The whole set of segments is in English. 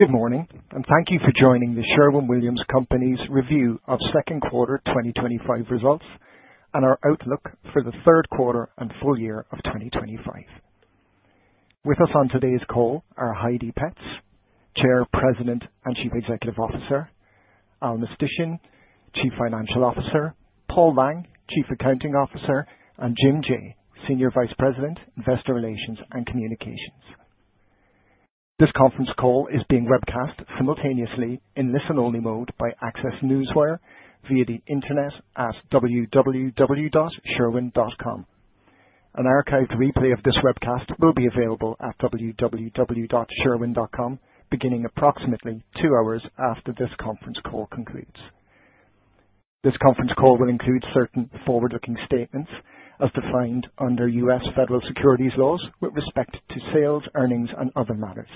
Good morning, and thank you for joining the Sherwin-Williams Company's review of second quarter 2025 results and our outlook for the third quarter and full year of 2025. With us on today's call are Heidi Petz, Chair, President, and Chief Executive Officer; Al Mistysyn, Chief Financial Officer; Paul Lang, Chief Accounting Officer; and Jim Jaye, Senior Vice President, Investor Relations and Communications. This conference call is being webcast simultaneously in listen-only mode by Access NewsWire via the Internet at www.sherwin.com. An archived replay of this webcast will be available at www.sherwin.com beginning approximately two hours after this conference call concludes. This conference call will include certain forward-looking statements as defined under U.S. federal securities laws with respect to sales, earnings, and other matters.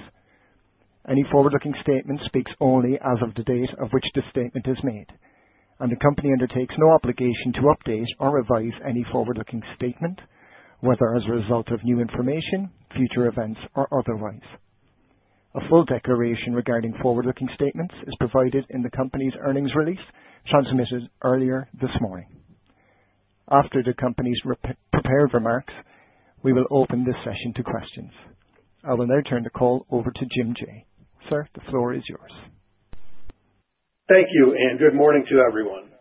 Any forward-looking statement speaks only as of the date on which the statement is made, and the company undertakes no obligation to update or revise any forward-looking statement, whether as a result of new information, future events, or otherwise. A full declaration regarding forward-looking statements is provided in the company's earnings release transmitted earlier this morning. After the company's prepared remarks, we will open this session to questions. I will now turn the call over to Jim Jaye. Sir, the floor is yours. Thank you, and good morning to everyone.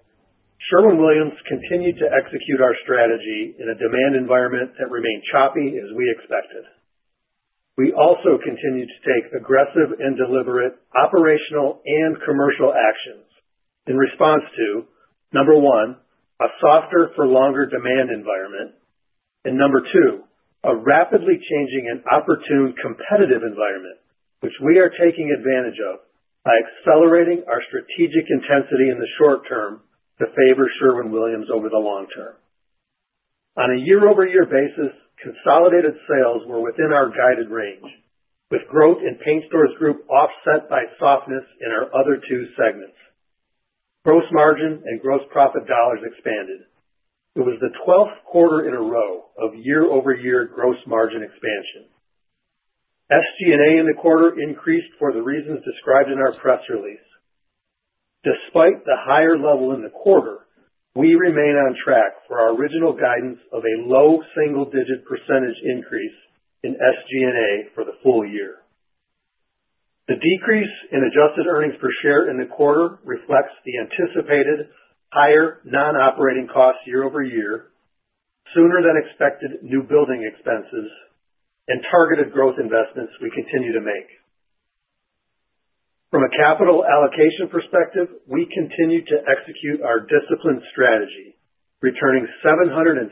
Sherwin-Williams continued to execute our strategy in a demand environment that remained choppy, as we expected. We also continued to take aggressive and deliberate operational and commercial actions in response to, number one, a softer-for-longer demand environment, and number two, a rapidly changing and opportune competitive environment, which we are taking advantage of by accelerating our strategic intensity in the short-term to favor Sherwin-Williams over the long-term. On a year-over-year basis, consolidated sales were within our guided range, with growth in Paint Stores Group offset by softness in our other two segments. Gross margin and gross profit dollars expanded. It was the 12th quarter in a row of year-over-year gross margin expansion. SG&A in the quarter increased for the reasons described in our press release. Despite the higher level in the quarter, we remain on track for our original guidance of a low single-digit percentage increase in SG&A for the full year. The decrease in adjusted earnings per share in the quarter reflects the anticipated higher non-operating costs year-over-year, sooner-than-expected new building expenses, and targeted growth investments we continue to make. From a capital allocation perspective, we continue to execute our disciplined strategy, returning $716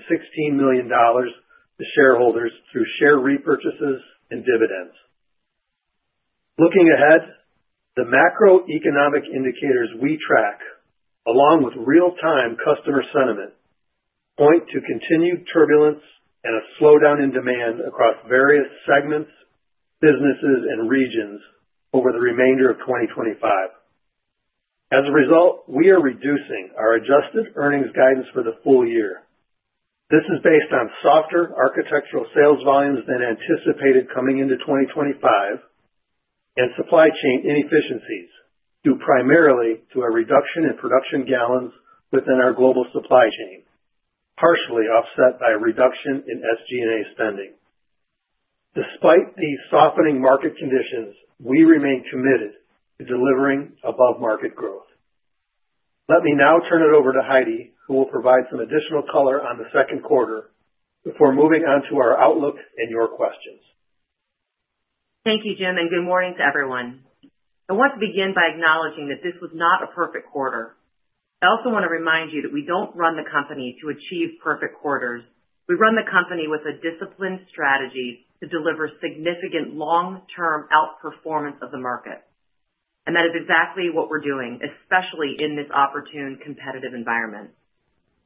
million to shareholders through share repurchases and dividends. Looking ahead, the macroeconomic indicators we track, along with real-time customer sentiment, point to continued turbulence and a slowdown in demand across various segments, businesses, and regions over the remainder of 2025. As a result, we are reducing our adjusted earnings guidance for the full year. This is based on softer architectural sales volumes than anticipated coming into 2025, and supply chain inefficiencies due primarily to a reduction in production gallons within our global supply chain, partially offset by a reduction in SG&A spending. Despite the softening market conditions, we remain committed to delivering above-market growth. Let me now turn it over to Heidi, who will provide some additional color on the second quarter before moving on to our outlook and your questions. Thank you, Jim, and good morning to everyone. I want to begin by acknowledging that this was not a perfect quarter. I also want to remind you that we do not run the company to achieve perfect quarters. We run the company with a disciplined strategy to deliver significant long-term outperformance of the market. That is exactly what we are doing, especially in this opportune competitive environment.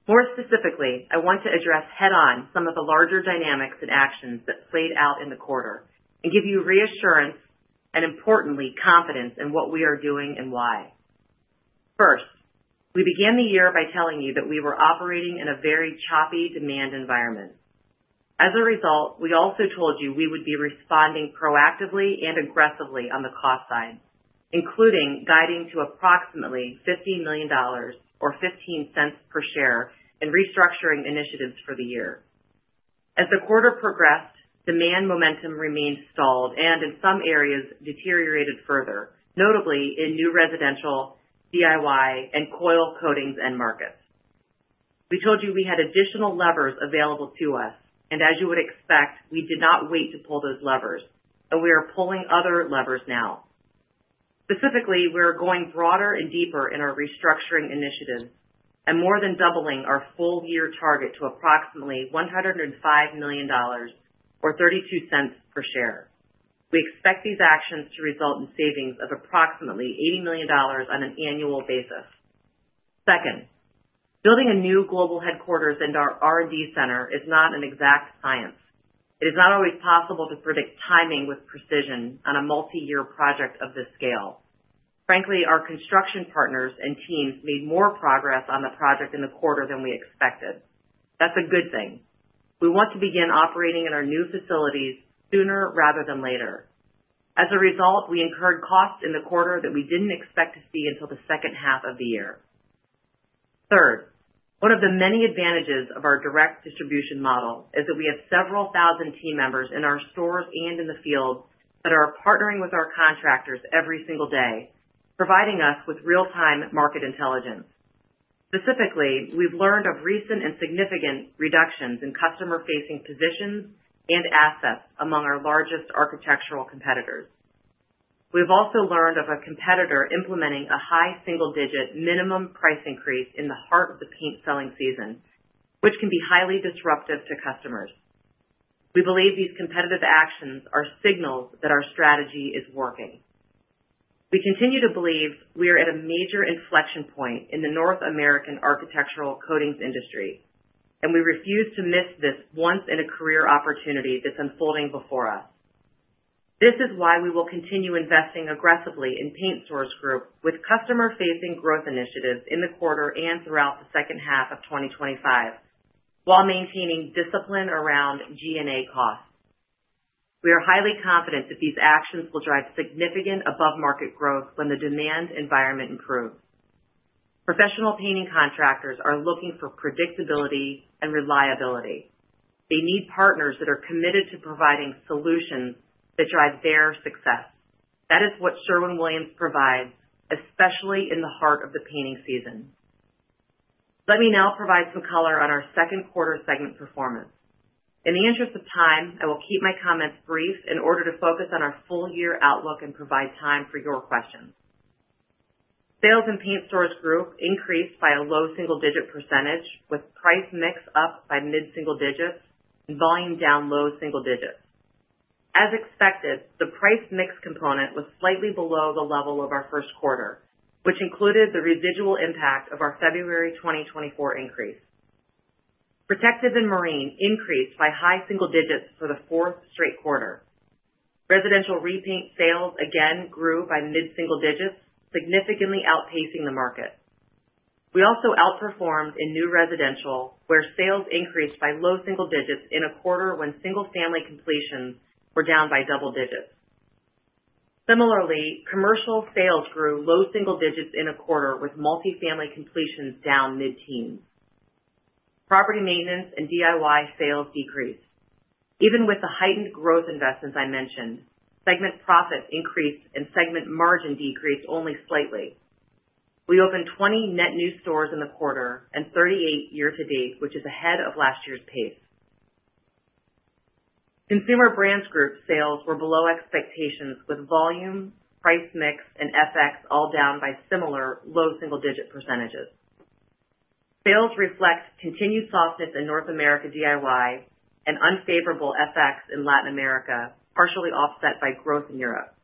More specifically, I want to address head-on some of the larger dynamics and actions that played out in the quarter and give you reassurance and, importantly, confidence in what we are doing and why. First, we began the year by telling you that we were operating in a very choppy demand environment. As a result, we also told you we would be responding proactively and aggressively on the cost side, including guiding to approximately $15 million or $0.15 per share in restructuring initiatives for the year. As the quarter progressed, demand momentum remained stalled and, in some areas, deteriorated further, notably in new residential, DIY, and coil coatings end markets. We told you we had additional levers available to us, and as you would expect, we did not wait to pull those levers, but we are pulling other levers now. Specifically, we are going broader and deeper in our restructuring initiatives and more than doubling our full-year target to approximately $105 million, or $0.32 per share. We expect these actions to result in savings of approximately $80 million on an annual basis. Second, building a new global headquarters and our R&D center is not an exact science. It is not always possible to predict timing with precision on a multi-year project of this scale. Frankly, our construction partners and teams made more progress on the project in the quarter than we expected. That is a good thing. We want to begin operating in our new facilities sooner rather than later. As a result, we incurred costs in the quarter that we did not expect to see until the second half of the year. Third, one of the many advantages of our direct distribution model is that we have several thousand team members in our stores and in the field that are partnering with our contractors every single day, providing us with real-time market intelligence. Specifically, we have learned of recent and significant reductions in customer-facing positions and assets among our largest architectural competitors. We have also learned of a competitor implementing a high single-digit minimum price increase in the heart of the paint selling season, which can be highly disruptive to customers. We believe these competitive actions are signals that our strategy is working. We continue to believe we are at a major inflection point in the North American architectural coatings industry, and we refuse to miss this once-in-a-career opportunity that is unfolding before us. This is why we will continue investing aggressively in Paint Stores Group with customer-facing growth initiatives in the quarter and throughout the second half of 2025, while maintaining discipline around G&A costs. We are highly confident that these actions will drive significant above-market growth when the demand environment improves. Professional painting contractors are looking for predictability and reliability. They need partners that are committed to providing solutions that drive their success. That is what Sherwin-Williams provides, especially in the heart of the painting season. Let me now provide some color on our second quarter segment performance. In the interest of time, I will keep my comments brief in order to focus on our full-year outlook and provide time for your questions. Sales in Paint Stores Group increased by a low single-digit percentage, with price mix up by mid-single digits and volume down low single-digits. As expected, the price mix component was slightly below the level of our first quarter, which included the residual impact of our February 2024 increase. Protective and Marine increased by high single-digits for the fourth straight quarter. Residential repaint sales again grew by mid-single digits, significantly outpacing the market. We also outperformed in new residential, where sales increased by low-single digits in a quarter when single-family completions were down by double-digits. Similarly, commercial sales grew low single-digits in a quarter, with multi-family completions down mid-teens. Property maintenance and DIY sales decreased. Even with the heightened growth investments I mentioned, segment profit increased and segment margin decreased only slightly. We opened 20 net new stores in the quarter and 38 year-to-date, which is ahead of last year's pace. Consumer Brands Group sales were below expectations, with volume, price mix, and FX all down by similar low single-digit percentage. Sales reflect continued softness in North America DIY and unfavorable FX in Latin America, partially offset by growth in Europe.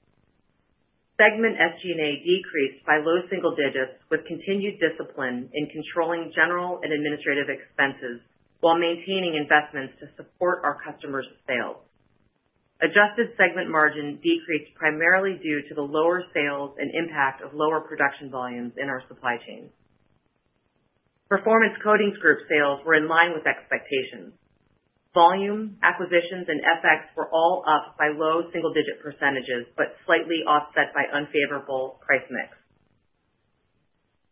Segment SG&A decreased by low single-digits, with continued discipline in controlling general and administrative expenses while maintaining investments to support our customers' sales. Adjusted segment margin decreased primarily due to the lower sales and impact of lower production volumes in our supply chain. Performance Coatings Group sales were in line with expectations. Volume, acquisitions, and FX were all up by low single-digit percentages but slightly offset by unfavorable price mix.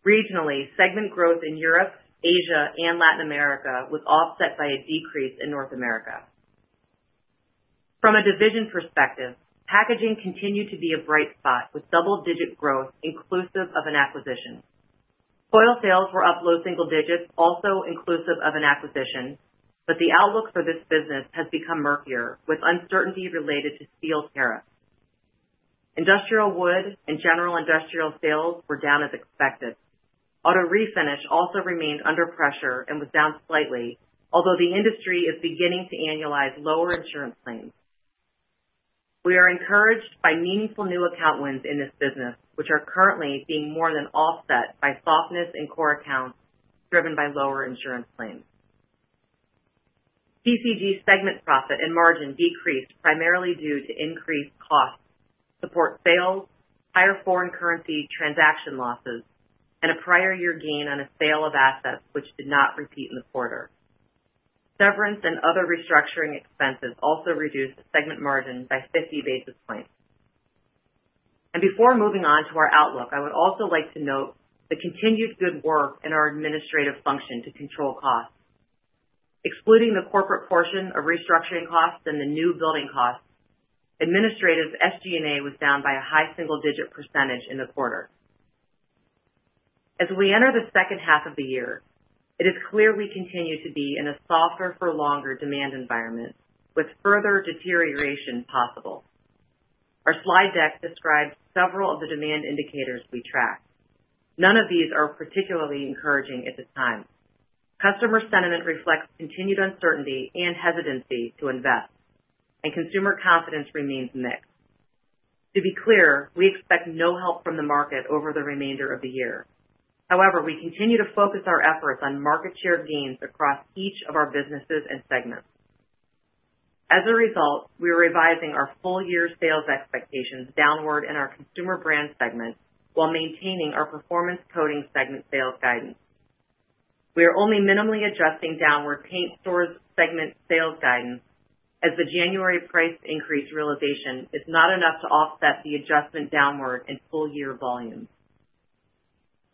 Regionally, segment growth in Europe, Asia, and Latin America was offset by a decrease in North America. From a division perspective, packaging continued to be a bright spot with double-digit growth inclusive of an acquisition. Oil sales were up low single-digits, also inclusive of an acquisition, but the outlook for this business has become murkier, with uncertainty related to steel tariffs. Industrial wood and general industrial sales were down as expected. Auto-refinish also remained under pressure and was down slightly, although the industry is beginning to annualize lower insurance claims. We are encouraged by meaningful new account wins in this business, which are currently being more than offset by softness in core accounts driven by lower insurance claims. PCG segment profit and margin decreased primarily due to increased costs, support sales, higher foreign currency transaction losses, and a prior-year gain on a sale of assets, which did not repeat in the quarter. Severance and other restructuring expenses also reduced segment margin by 50 basis points. Before moving on to our outlook, I would also like to note the continued good work in our administrative function to control costs. Excluding the corporate portion of restructuring costs and the new building costs, administrative SG&A was down by a high single-digit % in the quarter. As we enter the second half of the year, it is clear we continue to be in a softer-for-longer demand environment, with further deterioration possible. Our slide deck describes several of the demand indicators we track. None of these are particularly encouraging at this time. Customer sentiment reflects continued uncertainty and hesitancy to invest, and consumer confidence remains mixed. To be clear, we expect no help from the market over the remainder of the year. However, we continue to focus our efforts on market-share gains across each of our businesses and segments. As a result, we are revising our full-year sales expectations downward in our consumer brand segment while maintaining our performance coating segment sales guidance. We are only minimally adjusting downward paint stores segment sales guidance as the January price increase realization is not enough to offset the adjustment downward in full-year volumes.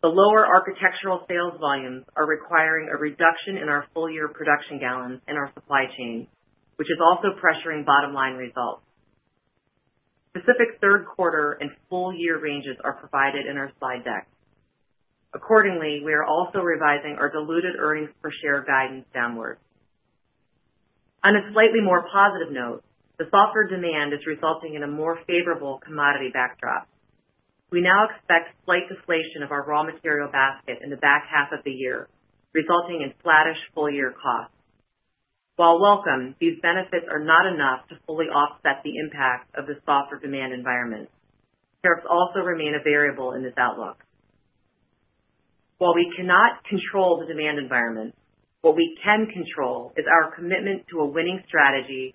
The lower architectural sales volumes are requiring a reduction in our full-year production gallons in our supply chain, which is also pressuring bottom-line results. Specific third quarter and full-year ranges are provided in our slide deck. Accordingly, we are also revising our diluted earnings per share guidance downward. On a slightly more positive note, the softer demand is resulting in a more favorable commodity backdrop. We now expect slight deflation of our raw material basket in the back half of the year, resulting in flattish full-year costs. While welcome, these benefits are not enough to fully offset the impact of the softer demand environment. Tariffs also remain a variable in this outlook. While we cannot control the demand environment, what we can control is our commitment to a winning strategy,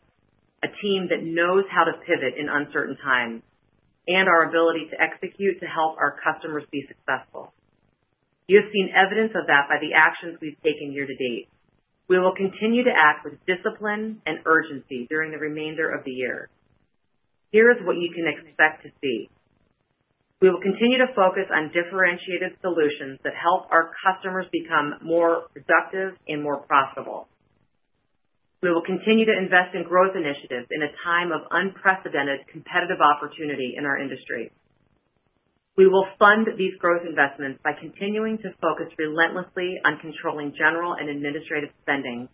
a team that knows how to pivot in uncertain times, and our ability to execute to help our customers be successful. You have seen evidence of that by the actions we've taken year-to-date. We will continue to act with discipline and urgency during the remainder of the year. Here is what you can expect to see. We will continue to focus on differentiated solutions that help our customers become more productive and more profitable. We will continue to invest in growth initiatives in a time of unprecedented competitive opportunity in our industry. We will fund these growth investments by continuing to focus relentlessly on controlling general and administrative spending,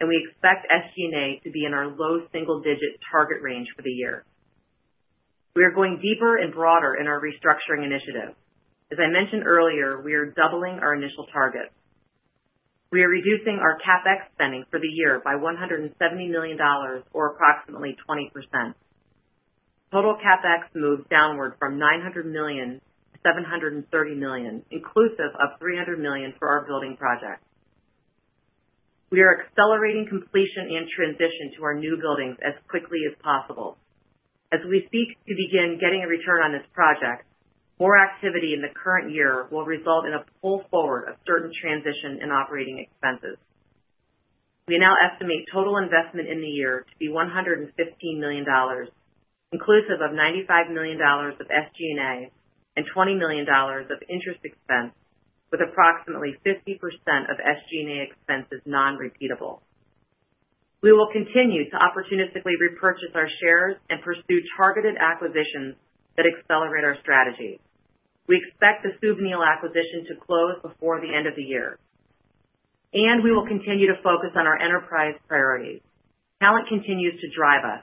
and we expect SG&A to be in our low single-digit target range for the year. We are going deeper and broader in our restructuring initiative. As I mentioned earlier, we are doubling our initial target. We are reducing our CapEx spending for the year by $170 million, or approximately 20%. Total CapEx moved downward from $900 million to $730 million, inclusive of $300 million for our building project. We are accelerating completion and transition to our new buildings as quickly as possible. As we seek to begin getting a return on this project, more activity in the current year will result in a pull forward of certain transition and operating expenses. We now estimate total investment in the year to be $115 million, inclusive of $95 million of SG&A and $20 million of interest expense, with approximately 50% of SG&A expenses non-repeatable. We will continue to opportunistically repurchase our shares and pursue targeted acquisitions that accelerate our strategy. We expect the Suvinil acquisition to close before the end of the year. We will continue to focus on our enterprise priorities. Talent continues to drive us.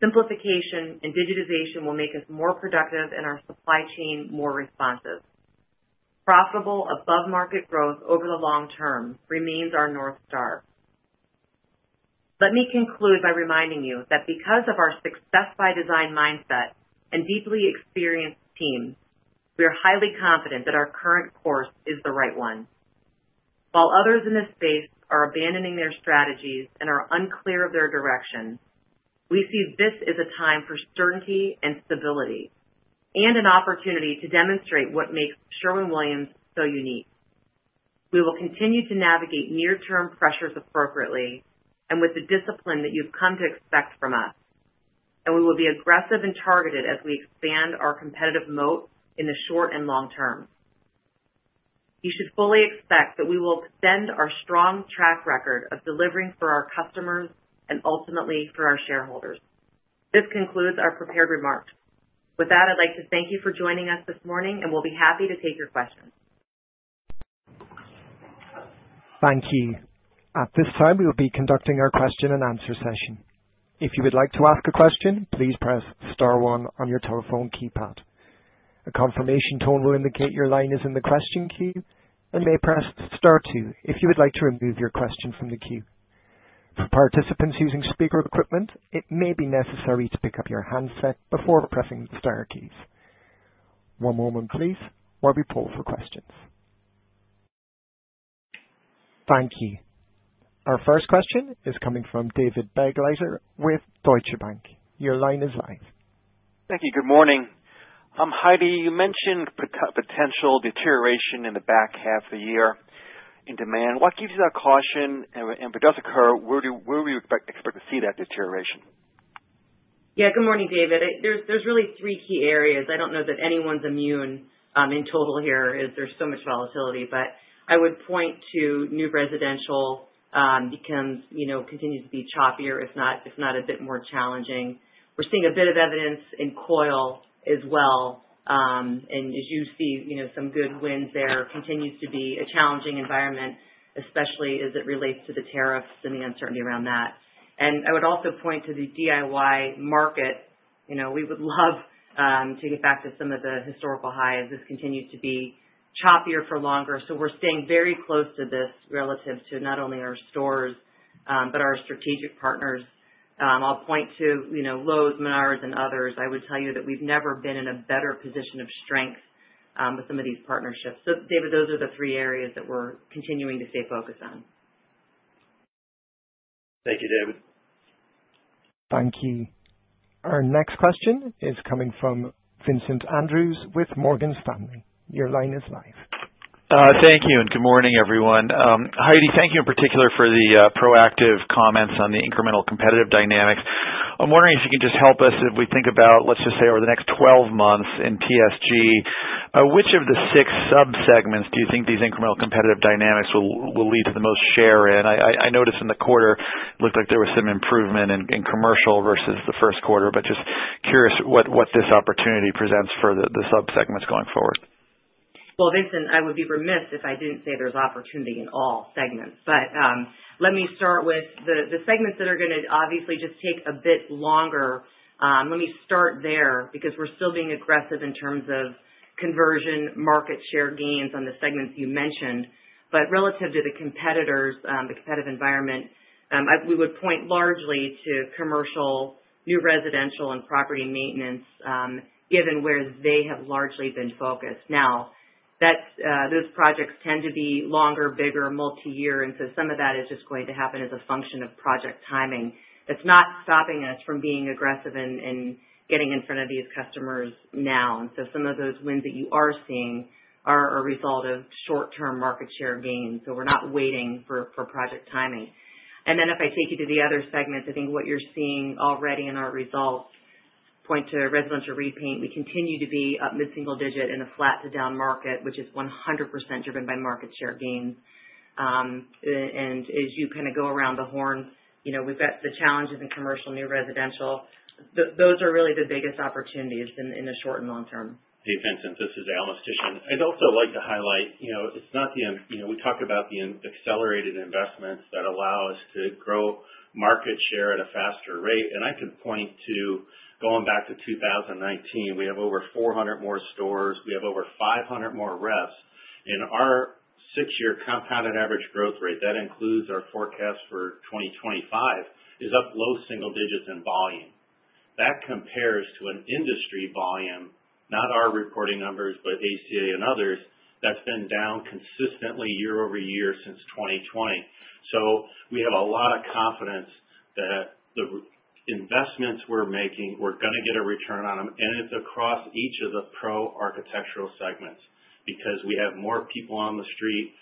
Simplification and digitization will make us more productive and our supply chain more responsive. Profitable above-market growth over the long term remains our North Star. Let me conclude by reminding you that because of our success-by-design mindset and deeply experienced team, we are highly confident that our current course is the right one. While others in this space are abandoning their strategies and are unclear of their direction, we see this as a time for certainty and stability and an opportunity to demonstrate what makes Sherwin-Williams so unique. We will continue to navigate near-term pressures appropriately and with the discipline that you've come to expect from us. We will be aggressive and targeted as we expand our competitive moat in the short and long term. You should fully expect that we will extend our strong track record of delivering for our customers and ultimately for our shareholders. This concludes our prepared remarks. With that, I'd like to thank you for joining us this morning, and we'll be happy to take your questions. Thank you. At this time, we will be conducting our question-and-answer session. If you would like to ask a question, please press star one on your telephone keypad. A confirmation tone will indicate your line is in the question queue and you may press star two if you would like to remove your question from the queue. For participants using speaker equipment, it may be necessary to pick up your handset before pressing the star keys. One moment, please, while we pull for questions. Thank you. Our first question is coming from David Begleiter with Deutsche Bank. Your line is live. Thank you. Good morning. Heidi. You mentioned potential deterioration in the back half of the year in demand. What gives you that caution? If it does occur, where do you expect to see that deterioration? Yeah. Good morning, David. There's really three key areas. I don't know that anyone's immune in total here as there's so much volatility. I would point to new residential continues to be choppier, if not a bit more challenging. We're seeing a bit of evidence in coil as well. As you see, some good wins there. It continues to be a challenging environment, especially as it relates to the tariffs and the uncertainty around that. I would also point to the DIY market. We would love to get back to some of the historical highs. This continues to be choppier for longer. We're staying very close to this relative to not only our stores but our strategic partners. I'll point to Lowe's, Menards, and others. I would tell you that we've never been in a better position of strength with some of these partnerships. David, those are the three areas that we're continuing to stay focused on. Thank you, David. Thank you. Our next question is coming from Vincent Andrews with Morgan Stanley. Your line is live. Thank you. Good morning, everyone. Heidi, thank you in particular for the proactive comments on the incremental competitive dynamics. I'm wondering if you can just help us if we think about, let's just say, over the next 12 months in PSG, which of the six subsegments do you think these incremental competitive dynamics will lead to the most share in? I noticed in the quarter, it looked like there was some improvement in commercial versus the first quarter. Just curious what this opportunity presents for the subsegments going forward. I would be remiss if I didn't say there's opportunity in all segments. Let me start with the segments that are going to obviously just take a bit longer. Let me start there because we're still being aggressive in terms of conversion, market share gains on the segments you mentioned. Relative to the competitive environment, we would point largely to commercial, new residential, and property maintenance given where they have largely been focused. Those projects tend to be longer, bigger, multi-year. Some of that is just going to happen as a function of project timing. That's not stopping us from being aggressive in getting in front of these customers now. Some of those wins that you are seeing are a result of short-term market share gains. We're not waiting for project timing. If I take you to the other segments, I think what you're seeing already in our results point to residential repaint. We continue to be up mid-single digit in a flat-to-down market, which is 100% driven by market share gains. As you kind of go around the horn, we've got the challenges in commercial, new residential. Those are really the biggest opportunities in the short and long term. Hey, Vincent, this is Al Mistysyn. I'd also like to highlight it's not that we talked about the accelerated investments that allow us to grow market share at a faster rate. I can point to going back to 2019. We have over 400 more stores. We have over 500 more reps. Our six-year compounded average growth rate—that includes our forecast for 2025—is up low single-digits in volume. That compares to an industry volume, not our reporting numbers, but ACA and others, that's been down consistently year over year since 2020. We have a lot of confidence that the investments we're making, we're going to get a return on them. It's across each of the pro-architectural segments because we have more people on the street,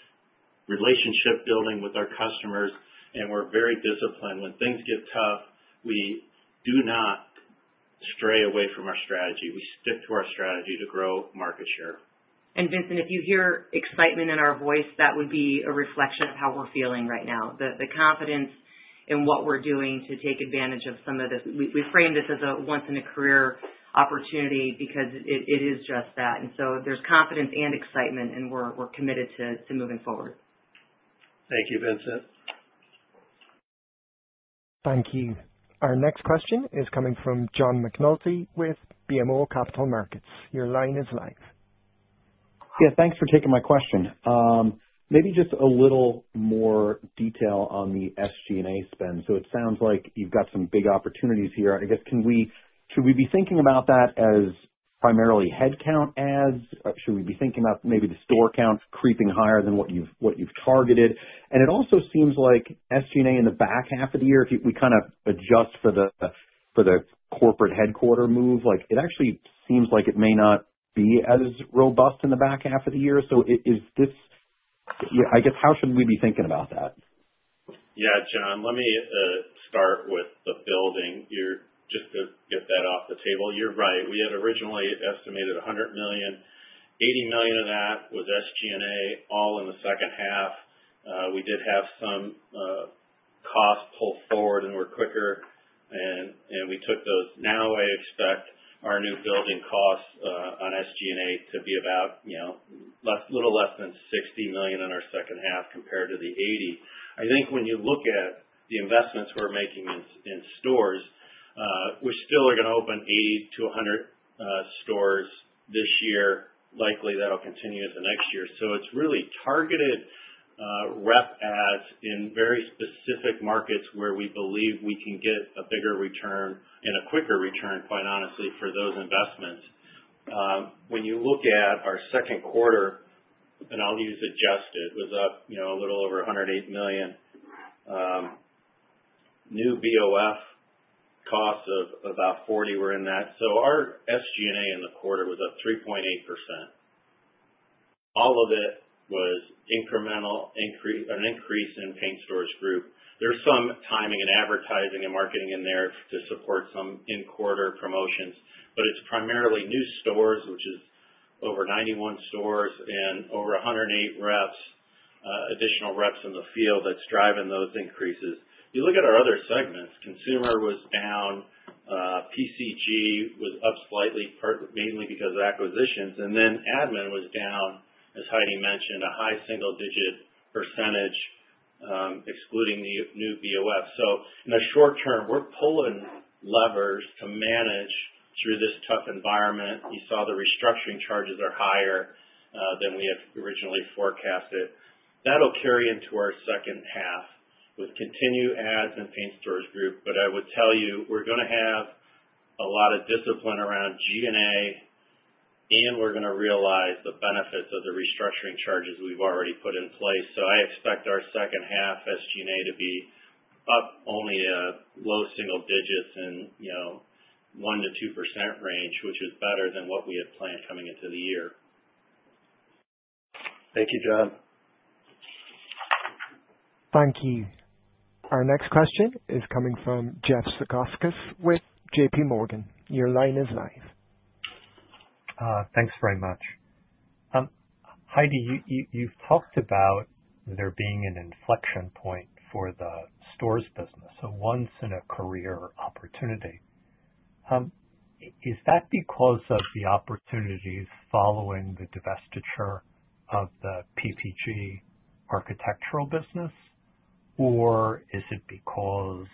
relationship building with our customers, and we're very disciplined. When things get tough, we do not stray away from our strategy. We stick to our strategy to grow market share. Vincent, if you hear excitement in our voice, that would be a reflection of how we're feeling right now. The confidence in what we're doing to take advantage of some of this—we frame this as a once-in-a-career opportunity because it is just that. There's confidence and excitement, and we're committed to moving forward. Thank you, Vincent. Thank you. Our next question is coming from John McNulty with BMO Capital Markets. Your line is live. Yeah. Thanks for taking my question. Maybe just a little more detail on the SG&A spend. It sounds like you've got some big opportunities here. I guess, should we be thinking about that as primarily headcount adds? Should we be thinking about maybe the store count creeping higher than what you've targeted? It also seems like SG&A in the back half of the year, if we kind of adjust for the corporate headquarter move, it actually seems like it may not be as robust in the back half of the year. How should we be thinking about that? Yeah, John, let me start with the building. Just to get that off the table, you're right. We had originally estimated $100 million. $80 million of that was SG&A, all in the second half. We did have some cost pull forward, and we're quicker. We took those. Now, I expect our new building costs on SG&A to be about a little less than $60 million in our second half compared to the $80 million. I think when you look at the investments we're making in stores, we still are going to open 80-100 stores this year. Likely, that'll continue into next year. It's really targeted rep adds in very specific markets where we believe we can get a bigger return and a quicker return, quite honestly, for those investments. When you look at our second quarter, and I'll use adjusted, it was a little over $108 million. New BOF cost of about $40 million were in that. Our SG&A in the quarter was up 3.8%. All of it was incremental, an increase in Paint Stores Group. There is some timing and advertising and marketing in there to support some in-quarter promotions. It is primarily new stores, which is over 91 stores and over 108 additional reps in the field that is driving those increases. You look at our other segments, consumer was down. PCG was up slightly, mainly because of acquisitions. Admin was down, as Heidi mentioned, a high single-digit percentage. Excluding the new BOF. In the short-term, we are pulling levers to manage through this tough environment. You saw the restructuring charges are higher than we had originally forecasted. That will carry into our second half with continued adds in Paint Stores Group. I would tell you, we are going to have a lot of discipline around G&A. We are going to realize the benefits of the restructuring charges we have already put in place. I expect our second half SG&A to be up only low single digits in the 1%-2% range, which is better than what we had planned coming into the year. Thank you, John. Thank you. Our next question is coming from Jeff Zekauskas with JPMorgan. Your line is live. Thanks very much. Heidi, you have talked about there being an inflection point for the stores business, a once-in-a-career opportunity. Is that because of the opportunities following the divestiture of the PPG architectural business, or is it because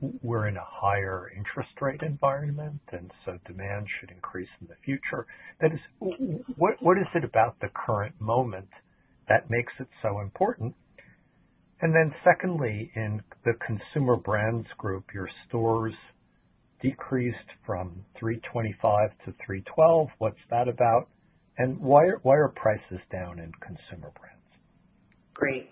we are in a higher interest rate environment and so demand should increase in the future? What is it about the current moment that makes it so important? Secondly, in the Consumer Brands Group, your stores decreased from 325 to 312. What is that about? Why are prices down in Consumer Brands? Great.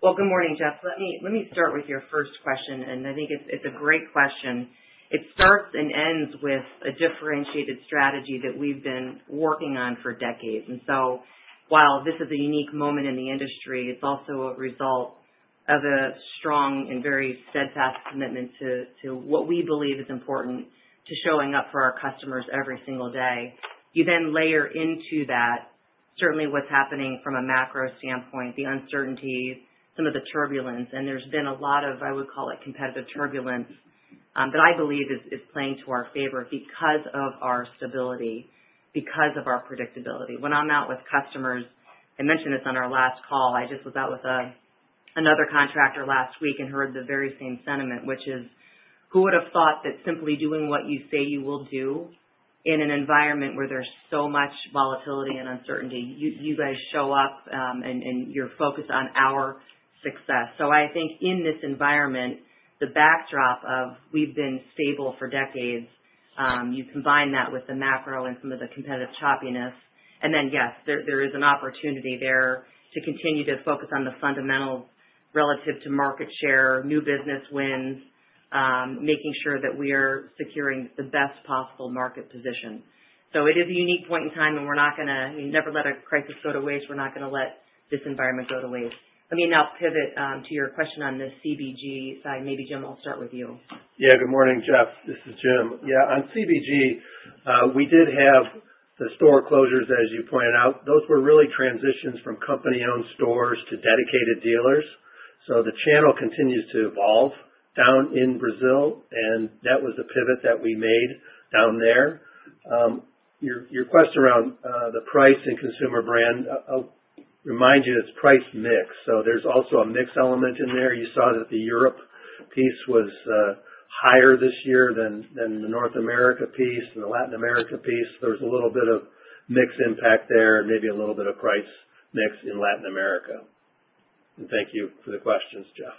Good morning, Jeff. Let me start with your first question. I think it is a great question. It starts and ends with a differentiated strategy that we have been working on for decades. While this is a unique moment in the industry, it is also a result of a strong and very steadfast commitment to what we believe is important to showing up for our customers every single day. You then layer into that, certainly what is happening from a macro standpoint, the uncertainties, some of the turbulence. There has been a lot of, I would call it, competitive turbulence that I believe is playing to our favor because of our stability, because of our predictability. When I am out with customers, I mentioned this on our last call. I just was out with another contractor last week and heard the very same sentiment, which is, who would have thought that simply doing what you say you will do in an environment where there is so much volatility and uncertainty, you guys show up. You are focused on our success. I think in this environment, the backdrop of we've been stable for decades, you combine that with the macro and some of the competitive choppiness. Yes, there is an opportunity there to continue to focus on the fundamentals relative to market share, new business wins. Making sure that we are securing the best possible market position. It is a unique point in time, and we're not going to never let a crisis go to waste. We're not going to let this environment go to waste. Let me now pivot to your question on the CBG side. Maybe, Jim, I'll start with you. Yeah. Good morning, Jeff. This is Jim. Yeah. On CBG, we did have the store closures, as you pointed out. Those were really transitions from company-owned stores to dedicated dealers. The channel continues to evolve down in Brazil. That was the pivot that we made down there. Your question around the price and consumer brand. Remind you, it's price mix. There is also a mix element in there. You saw that the Europe piece was higher this year than the North America piece and the Latin America piece. There was a little bit of mixed impact there, maybe a little bit of price mix in Latin America. Thank you for the questions, Jeff.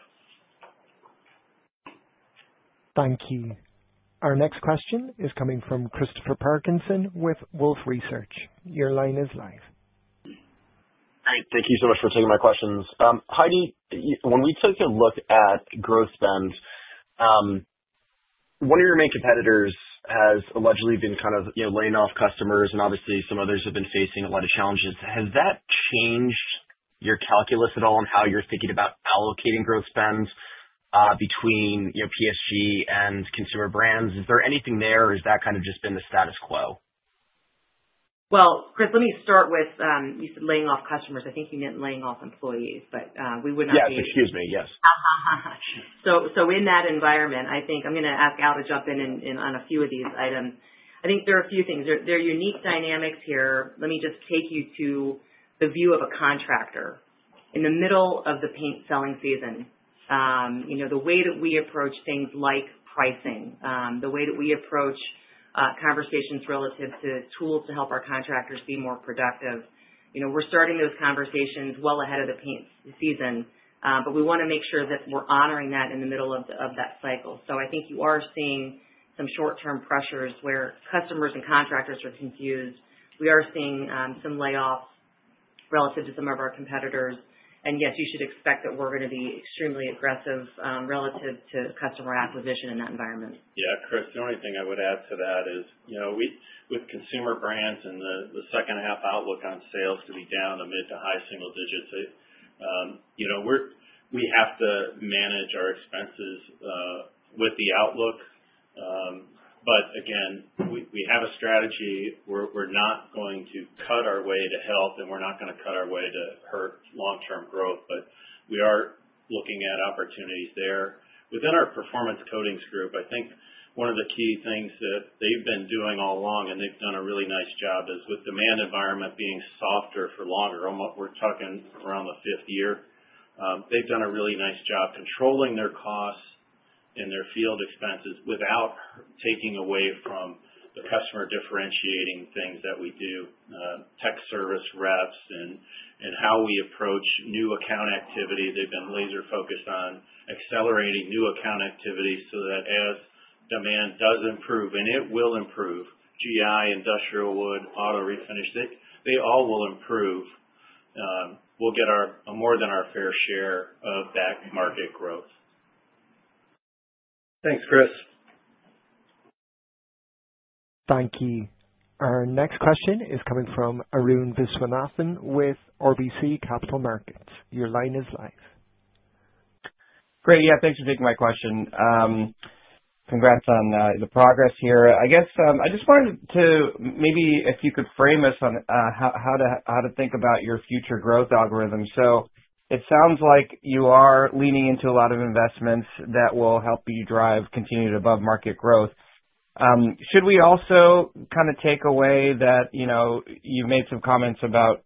Thank you. Our next question is coming from Christopher Parkinson with Wolfe Research. Your line is live. Great. Thank you so much for taking my questions. Heidi, when we took a look at growth spend. One of your main competitors has allegedly been kind of laying off customers. Obviously, some others have been facing a lot of challenges. Has that changed your calculus at all on how you're thinking about allocating growth spend between PSG and consumer brands? Is there anything there, or has that kind of just been the status quo? Chris, let me start with you said laying off customers. I think you meant laying off employees, but we would not be. Yes. Excuse me. Yes. In that environment, I think I'm going to ask Al to jump in on a few of these items. I think there are a few things. There are unique dynamics here. Let me just take you to the view of a contractor in the middle of the paint selling season. The way that we approach things like pricing, the way that we approach conversations relative to tools to help our contractors be more productive. We're starting those conversations well ahead of the paint season, but we want to make sure that we're honoring that in the middle of that cycle. I think you are seeing some short-term pressures where customers and contractors are confused. We are seeing some layoffs relative to some of our competitors. Yes, you should expect that we're going to be extremely aggressive relative to customer acquisition in that environment. Yeah. Chris, the only thing I would add to that is. With consumer brands and the second-half outlook on sales to be down to mid to high single digits. We have to manage our expenses with the outlook. Again, we have a strategy. We're not going to cut our way to health, and we're not going to cut our way to hurt long-term growth. We are looking at opportunities there. Within our Performance Coatings Group, I think one of the key things that they've been doing all along, and they've done a really nice job, is with demand environment being softer for longer. We're talking around the fifth year. They've done a really nice job controlling their costs and their field expenses without taking away from the customer differentiating things that we do. Tech service reps and how we approach new account activity. They've been laser-focused on accelerating new account activity so that as demand does improve, and it will improve, GI, industrial wood, auto-refinish, they all will improve. We'll get more than our fair share of that market growth. Thanks, Chris. Thank you. Our next question is coming from Arun Viswanathan with RBC Capital Markets. Your line is live. Great. Yeah. Thanks for taking my question. Congrats on the progress here. I guess I just wanted to maybe, if you could frame us on how to think about your future growth algorithm. It sounds like you are leaning into a lot of investments that will help you drive continued above-market growth. Should we also kind of take away that you've made some comments about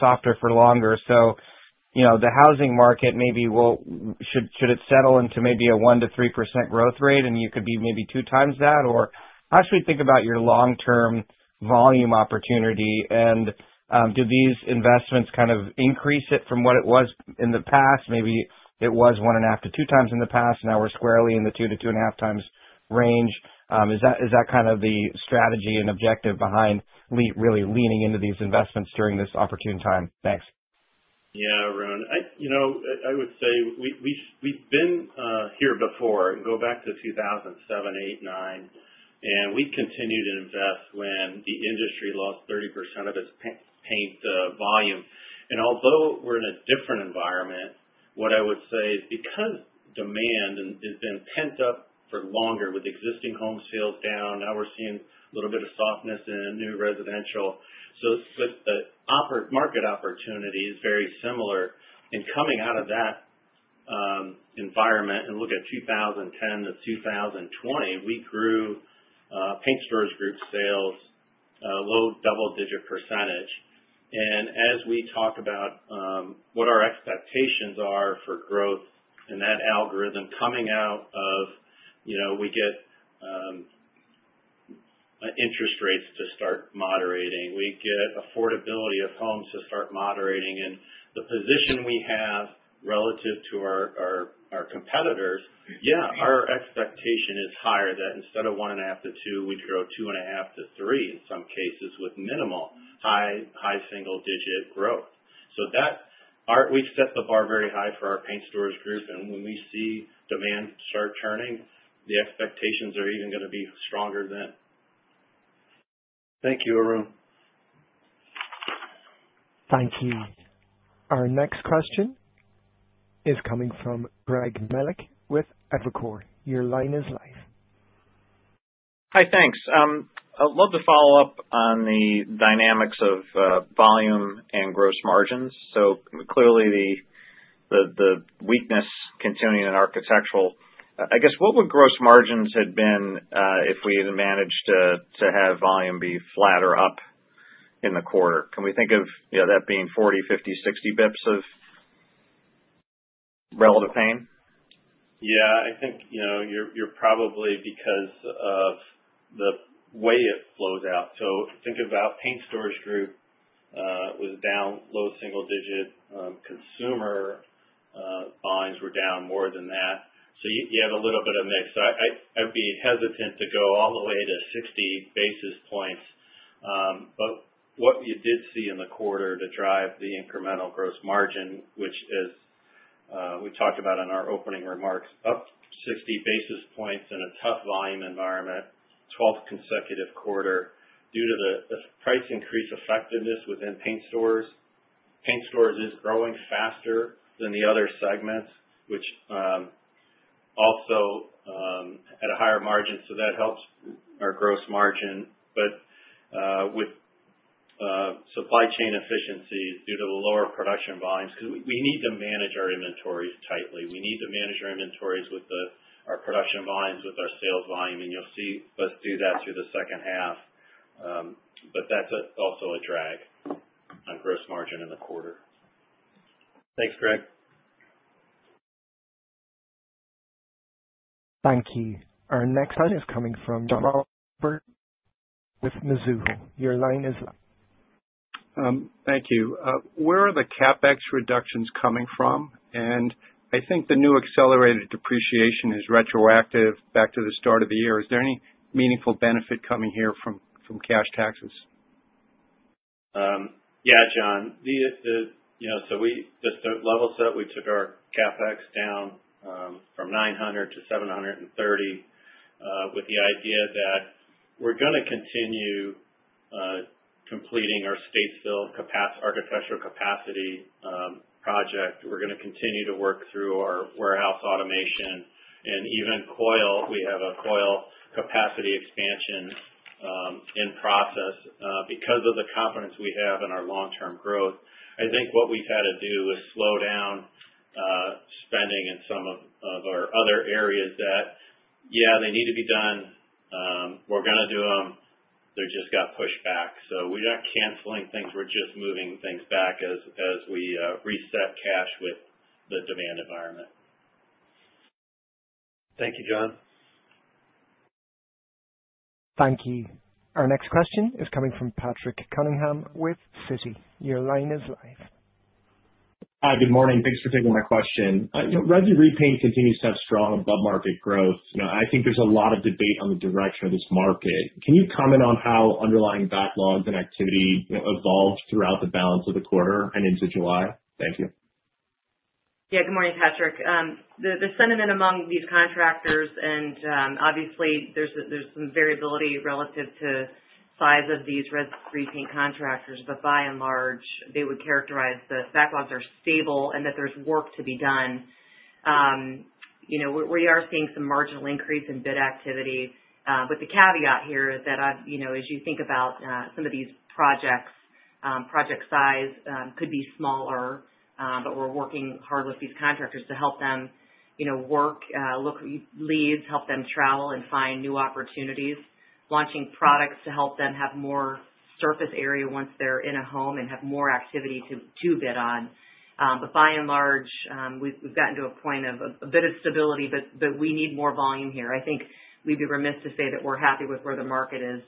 softer for longer? The housing market, maybe, should it settle into maybe a 1-3% growth rate, and you could be maybe two times that? Or how should we think about your long-term volume opportunity? Do these investments kind of increase it from what it was in the past? Maybe it was one and a half to two times in the past. Now we're squarely in the two to two and a half times range. Is that kind of the strategy and objective behind really leaning into these investments during this opportune time? Thanks. Yeah, Arun. I would say we've been here before, go back to 2007, 2008, 2009. We continued to invest when the industry lost 30% of its paint volume. Although we're in a different environment, what I would say is because demand has been pent up for longer with existing home sales down, now we're seeing a little bit of softness in new residential. The market opportunity is very similar. Coming out of that environment and look at 2010-2020, we grew Paint Stores Group sales low double-digit percentage. As we talk about what our expectations are for growth and that algorithm coming out of, we get. Interest rates to start moderating, we get affordability of homes to start moderating, and the position we have relative to our competitors, yeah, our expectation is higher that instead of one and a half to two, we'd grow two and a half to three in some cases with minimal high single-digit growth. So. We've set the bar very high for our Paint Stores Group. And when we see demand start turning, the expectations are even going to be stronger then. Thank you, Arun. Thank you. Our next question. Is coming from Greg Melich with Evercore. Your line is live. Hi, thanks. I'd love to follow up on the dynamics of volume and gross margins. So clearly, the. Weakness continuing in architectural. I guess, what would gross margins have been if we had managed to have volume be flat or up in the quarter? Can we think of that being 40, 50, 60 basis points of relative pain? Yeah. I think. You're probably because of the way it flows out. So think about Paint Stores Group. Was down low single-digit. Consumer. Buyings were down more than that. So you have a little bit of mix. I'd be hesitant to go all the way to 60 basis points. But what you did see in the quarter to drive the incremental gross margin, which is. We talked about in our opening remarks, up 60 basis points in a tough volume environment, 12th consecutive quarter due to the price increase effectiveness within paint stores. Paint stores are growing faster than the other segments, which. Also. At a higher margin. So that helps our gross margin. But with supply chain efficiencies due to the lower production volumes, because we need to manage our inventories tightly. We need to manage our inventories with our production volumes with our sales volume. And you'll see us do that through the second half. But that's also a drag. On gross margin in the quarter. Thanks, Greg. Thank you. Our next line is coming from John Gleber. With Mizuho. Your line is live. Thank you. Where are the CapEx reductions coming from? And I think the new accelerated depreciation is retroactive back to the start of the year. Is there any meaningful benefit coming here from cash taxes? Yeah, John. So just to level set, we took our CapEx down. From $900 million to $730 million. With the idea that we're going to continue. Completing our state-filled architectural capacity project. We're going to continue to work through our warehouse automation. And even coil, we have a coil capacity expansion. In process. Because of the confidence we have in our long-term growth. I think what we've had to do is slow down. Spending in some of our other areas that. Yeah, they need to be done. We're going to do them. They're just got pushed back. So we're not canceling things. We're just moving things back as we reset cash with the demand environment. Thank you, John. Thank you. Our next question is coming from Patrick Cunningham with Citi. Your line is live. Hi, good morning. Thanks for taking my question. Residential Repaint continues to have strong above-market growth. I think there's a lot of debate on the direction of this market. Can you comment on how underlying backlog and activity evolved throughout the balance of the quarter and into July? Thank you. Yeah. Good morning, Patrick. The sentiment among these contractors, and obviously, there's some variability relative to size of these Residential Repaint contractors. But by and large, they would characterize the backlogs as stable and that there's work to be done. We are seeing some marginal increase in bid activity. The caveat here is that as you think about some of these projects, project size could be smaller, but we're working hard with these contractors to help them. Work, look leads, help them travel and find new opportunities, launching products to help them have more surface area once they're in a home and have more activity to bid on. By and large, we've gotten to a point of a bit of stability, but we need more volume here. I think we'd be remiss to say that we're happy with where the market is.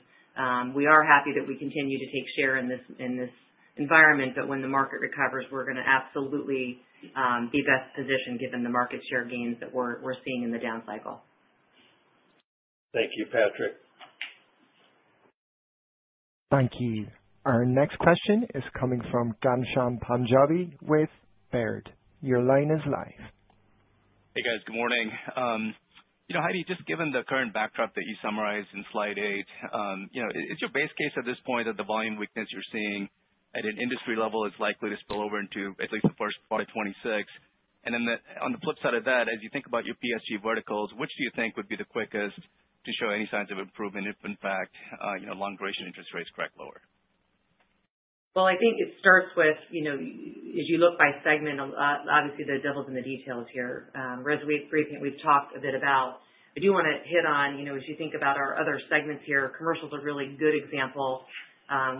We are happy that we continue to take share in this environment. When the market recovers, we're going to absolutely be best positioned given the market share gains that we're seeing in the down cycle. Thank you, Patrick. Thank you. Our next question is coming from Ghansham Panjabi with Baird. Your line is live. Hey, guys. Good morning. Heidi, just given the current backdrop that you summarized in slide eight. Is it your base case at this point that the volume weakness you're seeing at an industry level is likely to spill over into at least the first part of 2026? On the flip side of that, as you think about your Performance Coatings Group verticals, which do you think would be the quickest to show any signs of improvement if, in fact, long-duration interest rates crack lower? I think it starts with as you look by segment, obviously, the devil's in the details here. Residential Repaint, we've talked a bit about. I do want to hit on, as you think about our other segments here, commercial is a really good example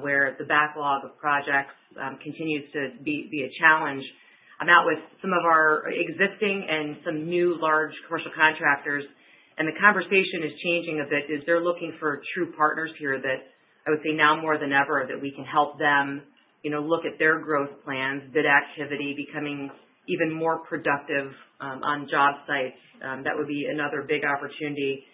where the backlog of projects continues to be a challenge. I'm out with some of our existing and some new large commercial contractors. The conversation is changing a bit as they're looking for true partners here. I would say now more than ever that we can help them look at their growth plans, bid activity, becoming even more productive on job sites. That would be another big opportunity.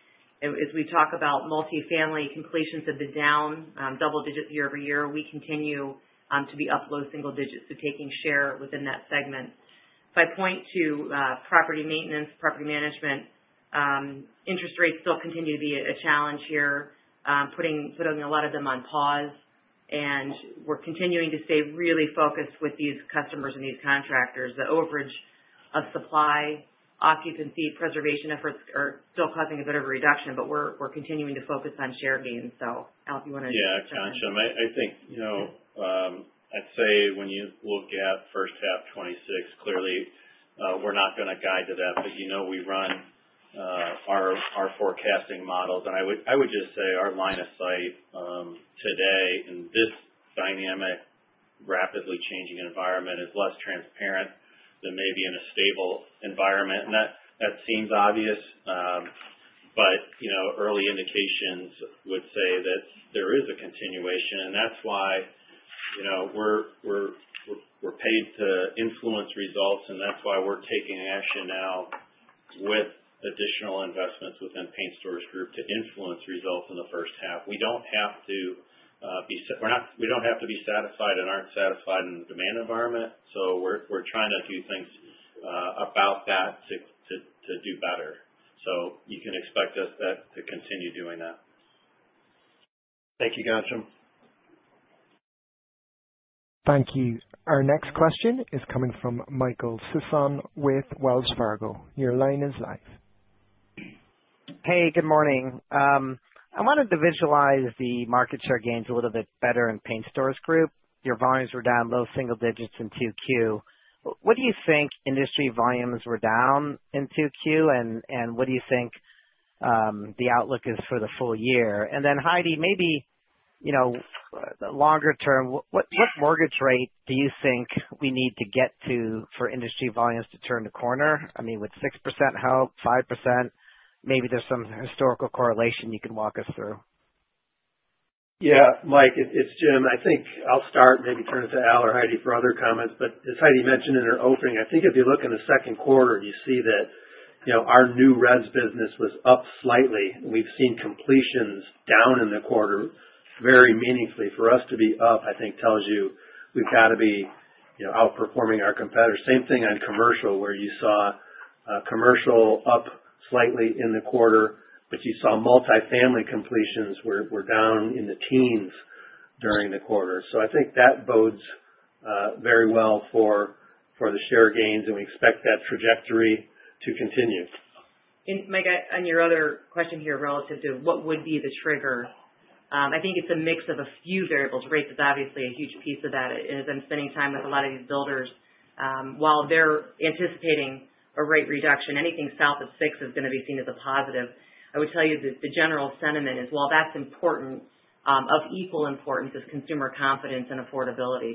As we talk about multifamily, completions are down double-digit year-over-year, we continue to be up low single-digits, so taking share within that segment. If I point to property maintenance, property management. Interest rates still continue to be a challenge here, putting a lot of them on pause. We're continuing to stay really focused with these customers and these contractors. The overage of supply, occupancy, preservation efforts are still causing a bit of a reduction, but we're continuing to focus on share gains. I do not know if you want to. Yeah, Ghansham, I think. I'd say when you look at first half 2026, clearly, we're not going to guide to that. We run our forecasting models. I would just say our line of sight today in this dynamic, rapidly changing environment is less transparent than maybe in a stable environment. That seems obvious. Early indications would say that there is a continuation. That's why we're paid to influence results. That's why we're taking action now with additional investments within Paint Stores Group to influence results in the first half. We do not have to be satisfied and are not satisfied in the demand environment. We're trying to do things about that to do better. You can expect us to continue doing that. Thank you, Ghansham. Thank you. Our next question is coming from Michael Sison with Wells Fargo. Your line is live. Hey, good morning. I wanted to visualize the market share gains a little bit better in Paint Stores Group. Your volumes were down low single digits in Q2. What do you think industry volumes were down in Q2? What do you think the outlook is for the full year? Then, Heidi, maybe longer term, what mortgage rate do you think we need to get to for industry volumes to turn the corner? I mean, with 6% help, 5%, maybe there's some historical correlation you can walk us through. Yeah, Mike, it's Jim. I think I'll start, maybe turn it to Al or Heidi for other comments. As Heidi mentioned in her opening, I think if you look in the second quarter, you see that our new residential business was up slightly. We've seen completions down in the quarter very meaningfully. For us to be up, I think tells you we've got to be outperforming our competitors. Same thing on commercial, where you saw commercial up slightly in the quarter, but you saw multifamily completions were down in the teens during the quarter. I think that bodes very well for the share gains. We expect that trajectory to continue. Mike, on your other question here relative to what would be the trigger, I think it's a mix of a few variables. Rate is obviously a huge piece of that. As I'm spending time with a lot of these builders, while they're anticipating a rate reduction, anything south of 6% is going to be seen as a positive. I would tell you the general sentiment is, while that's important, of equal importance is consumer confidence and affordability.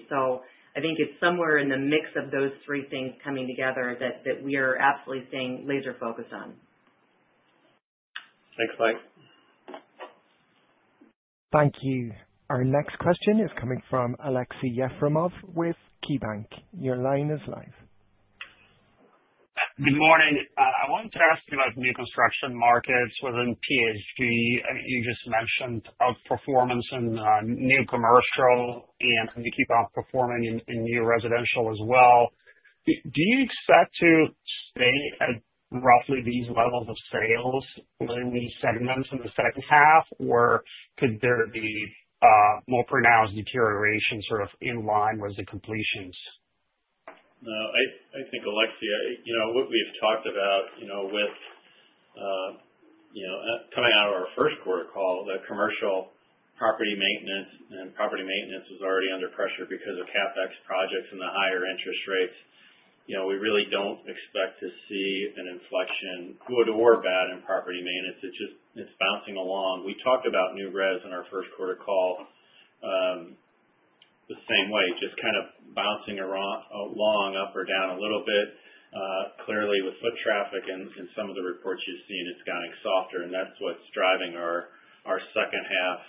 I think it's somewhere in the mix of those three things coming together that we are absolutely staying laser-focused on. Thanks, Mike. Thank you. Our next question is coming from Aleksey Yefremov with KeyBanc. Your line is live. Good morning. I wanted to ask you about new construction markets within PSG. You just mentioned outperformance in new commercial and keep outperforming in new residential as well. Do you expect to stay at roughly these levels of sales within these segments in the second half, or could there be more pronounced deterioration sort of in line with the completions? No, I think, Aleksey, what we've talked about with coming out of our first quarter call, the commercial property maintenance and property maintenance was already under pressure because of CapEx projects and the higher interest rates. We really don't expect to see an inflection, good or bad, in property maintenance. It's bouncing along. We talked about new residential in our first quarter call the same way, just kind of bouncing along up or down a little bit. Clearly, with foot traffic and some of the reports you've seen, it's gotten softer. That's what's driving our second half.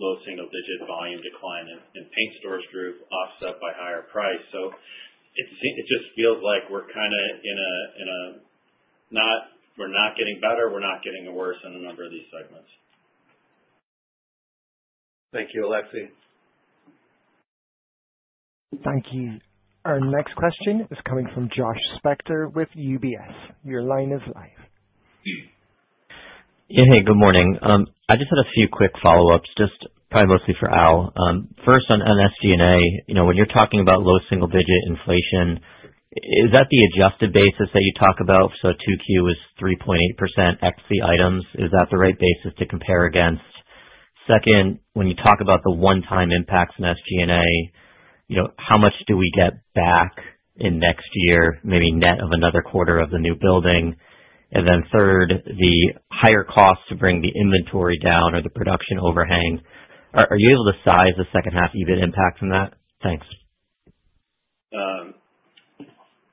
Low single-digit volume decline in Paint Stores Group, offset by higher price. It just feels like we're kind of in a not getting better, not getting worse in a number of these segments. Thank you, Aleksey. Thank you. Our next question is coming from Josh Spector with UBS. Your line is live. Yeah, hey, good morning. I just had a few quick follow-ups, just probably mostly for Al. First, on SG&A, when you're talking about low single-digit inflation, is that the adjusted basis that you talk about? So 2Q was 3.8% FC items. Is that the right basis to compare against? Second, when you talk about the one-time impacts in SG&A, how much do we get back in next year, maybe net of another quarter of the new building? And then third, the higher cost to bring the inventory down or the production overhang, are you able to size the second half even impact from that? Thanks.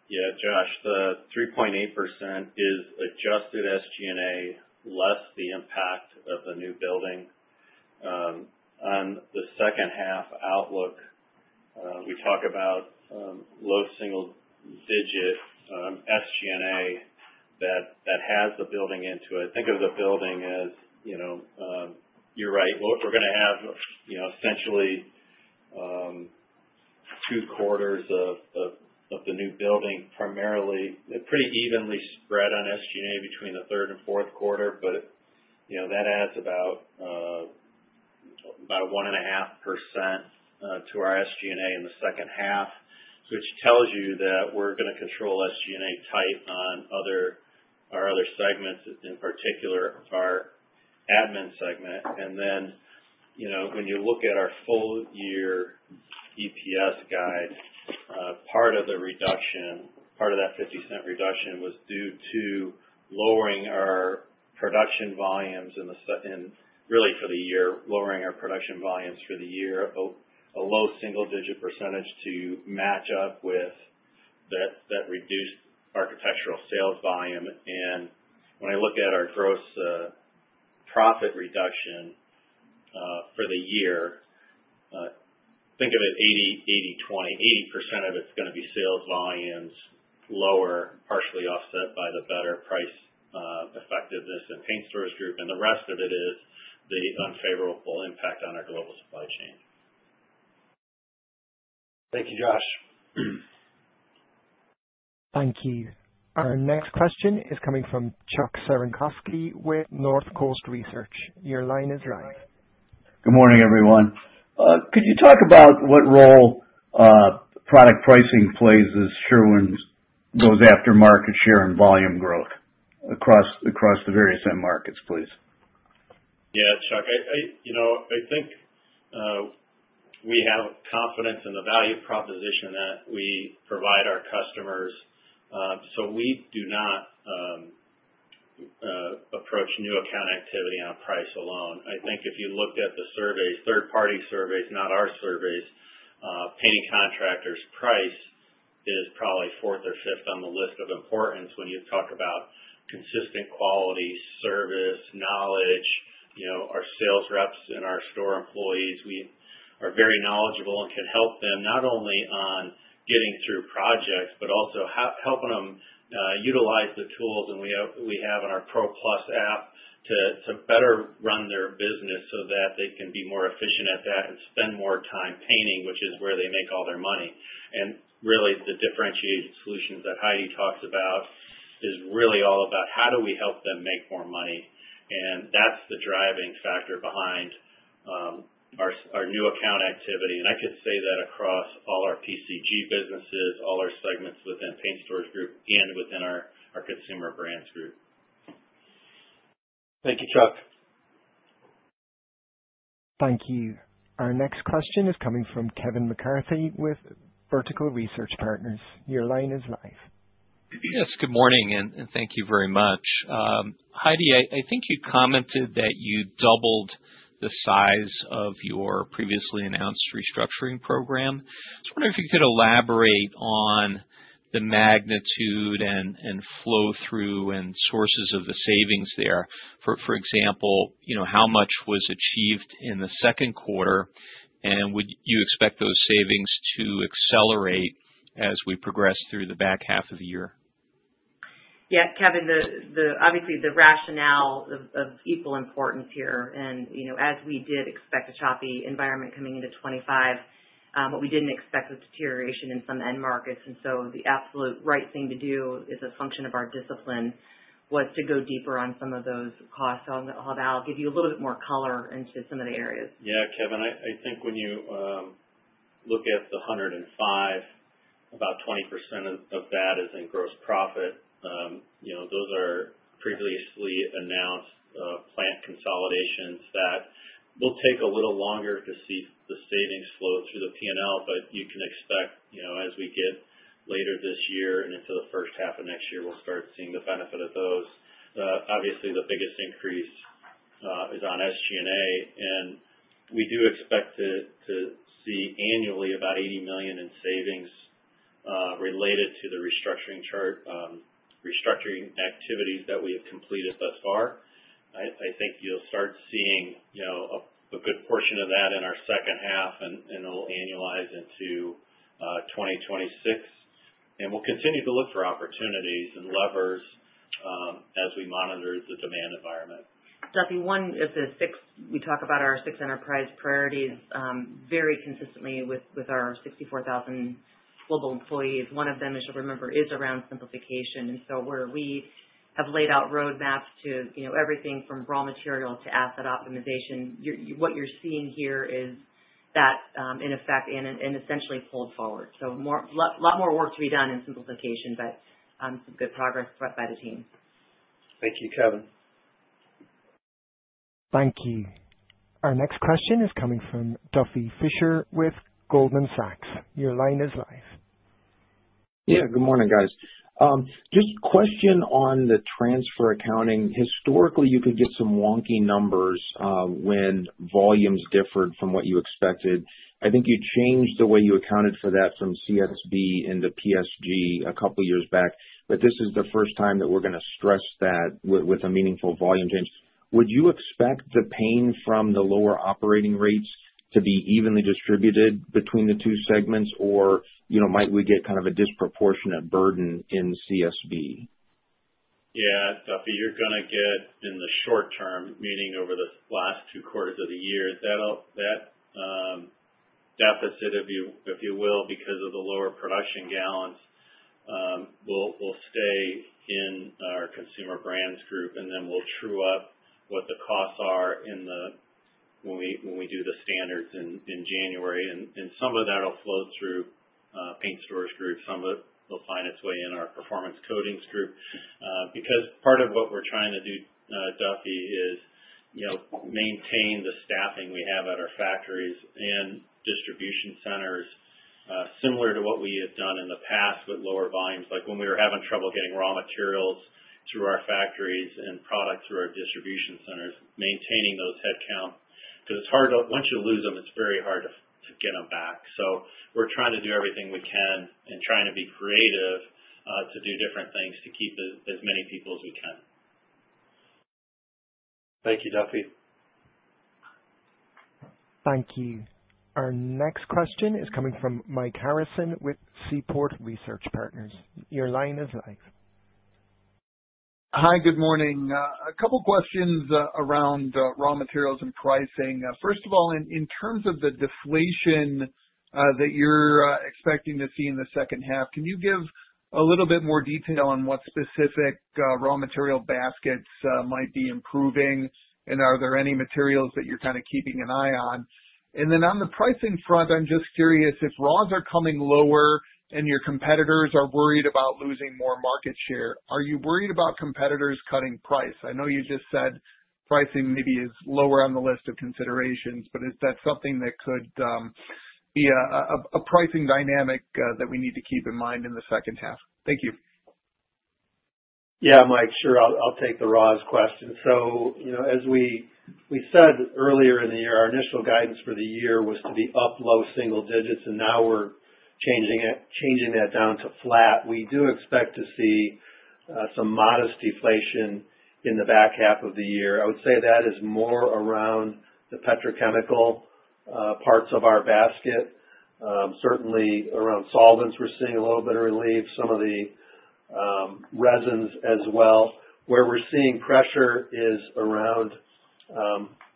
Yeah, Josh, the 3.8% is adjusted SG&A less the impact of the new building. On the second half outlook, we talk about low single-digit SG&A that has the building into it. Think of the building as, you're right, we're going to have essentially two quarters of the new building primarily pretty evenly spread on SG&A between the third and fourth quarter. That adds about a one and a half percent to our SG&A in the second half, which tells you that we're going to control SG&A tight on our other segments in particular, our admin segment. When you look at our full year. EPS guide, part of the reduction, part of that 50% reduction was due to lowering our production volumes and really for the year, lowering our production volumes for the year, a low single-digit percentage to match up with that reduced architectural sales volume. And when I look at our gross profit reduction for the year, think of it 80/20, 80% of it's going to be sales volumes lower, partially offset by the better price effectiveness in Paint Stores Group. The rest of it is the unfavorable impact on our global supply chain. Thank you, Josh. Thank you. Our next question is coming from Chuck Cerankosky with Northcoast Research. Your line is live. Good morning, everyone. Could you talk about what role product pricing plays as Sherwin goes after market share and volume growth across the various end markets, please? Yeah, Chuck, I think we have confidence in the value proposition that we provide our customers. We do not approach new account activity on price alone. I think if you looked at the surveys, third-party surveys, not our surveys, painting contractors, price is probably fourth or fifth on the list of importance when you talk about consistent quality, service, knowledge. Our sales reps and our store employees, we are very knowledgeable and can help them not only on getting through projects, but also helping them utilize the tools we have in our Pro Plus App to better run their business so that they can be more efficient at that and spend more time painting, which is where they make all their money. The differentiated solutions that Heidi talks about is really all about how do we help them make more money. That is the driving factor behind our new account activity. I could say that across all our PCG businesses, all our segments within Paint Stores Group, and within our Consumer Brands Group. Thank you, Chuck. Thank you. Our next question is coming from Kevin McCarthy with Vertical Research Partners. Your line is live. Yes, good morning. And thank you very much. Heidi, I think you commented that you doubled the size of your previously announced restructuring program. I was wondering if you could elaborate on the magnitude and flow-through and sources of the savings there. For example, how much was achieved in the second quarter? And would you expect those savings to accelerate as we progress through the back half of the year? Yeah, Kevin, obviously, the rationale of equal importance here. As we did expect a choppy environment coming into 2025, what we did not expect was deterioration in some end markets. The absolute right thing to do as a function of our discipline was to go deeper on some of those costs. I'll give you a little bit more color into some of the areas. Yeah, Kevin, I think when you look at the 105, about 20% of that is in gross profit. Those are previously announced plant consolidations that will take a little longer to see the savings flow through the P&L. You can expect as we get later this year and into the first half of next year, we'll start seeing the benefit of those. Obviously, the biggest increase is on SG&A. We do expect to see annually about $80 million in savings related to the restructuring activities that we have completed thus far. I think you'll start seeing a good portion of that in our second half, and it'll annualize into 2026. We'll continue to look for opportunities and levers as we monitor the demand environment. Deputy one, if we talk about our six enterprise priorities very consistently with our 64,000 global employees, one of them, as you'll remember, is around simplification. Where we have laid out roadmaps to everything from raw material to asset optimization, what you're seeing here is that in effect and essentially pulled forward. A lot more work to be done in simplification, but some good progress brought by the team. Thank you, Kevin. Thank you. Our next question is coming from Duffy Fischer with Goldman Sachs. Your line is live. Yeah, good morning, guys. Just a question on the transfer accounting. Historically, you could get some wonky numbers when volumes differed from what you expected. I think you changed the way you accounted for that from CSB into PSG a couple of years back. This is the first time that we're going to stress that with a meaningful volume change. Would you expect the pain from the lower operating rates to be evenly distributed between the two segments, or might we get kind of a disproportionate burden in CSB? Yeah, Duffy, you're going to get in the short term, meaning over the last two quarters of the year, that deficit, if you will, because of the lower production gallons, will stay in our Consumer Brands Group, and then we'll true up what the costs are when we do the standards in January. Some of that will flow through Paint Stores Group. Some of it will find its way in our Performance Coatings Group. Part of what we're trying to do, Duffy, is maintain the staffing we have at our factories and distribution centers, similar to what we have done in the past with lower volumes, like when we were having trouble getting raw materials through our factories and products through our distribution centers, maintaining those headcount. Once you lose them, it's very hard to get them back. We're trying to do everything we can and trying to be creative to do different things to keep as many people as we can. Thank you, Duffy. Thank you. Our next question is coming from Mike Harrison with Seaport Research Partners. Your line is live. Hi, good morning. A couple of questions around raw materials and pricing. First of all, in terms of the deflation that you're expecting to see in the second half, can you give a little bit more detail on what specific raw material baskets might be improving, and are there any materials that you're kind of keeping an eye on? Then on the pricing front, I'm just curious if raws are coming lower and your competitors are worried about losing more market share. Are you worried about competitors cutting price? I know you just said pricing maybe is lower on the list of considerations, but is that something that could be a pricing dynamic that we need to keep in mind in the second half? Thank you. Yeah, Mike, sure. I'll take the raws question. As we said earlier in the year, our initial guidance for the year was to be up low single-digits, and now we're changing that down to flat. We do expect to see some modest deflation in the back half of the year. I would say that is more around the petrochemical parts of our basket. Certainly around solvents, we're seeing a little bit of relief. Some of the resins as well. Where we're seeing pressure is around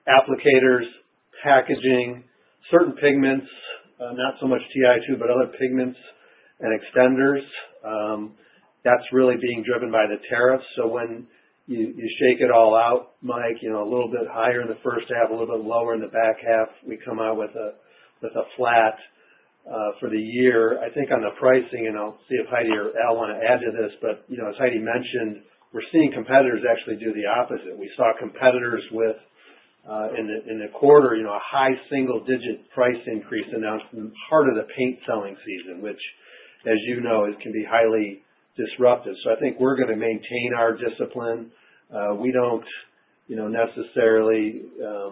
applicators, packaging, certain pigments, not so much Ti2, but other pigments and extenders. That's really being driven by the tariffs. When you shake it all out, Mike, a little bit higher in the first half, a little bit lower in the back half, we come out with a flat for the year. I think on the pricing, and I'll see if Heidi or Al want to add to this, but as Heidi mentioned, we're seeing competitors actually do the opposite. We saw competitors with, in the quarter, a high single-digit price increase announced in part of the paint-selling season, which, as you know, can be highly disruptive. I think we're going to maintain our discipline. We don't necessarily—the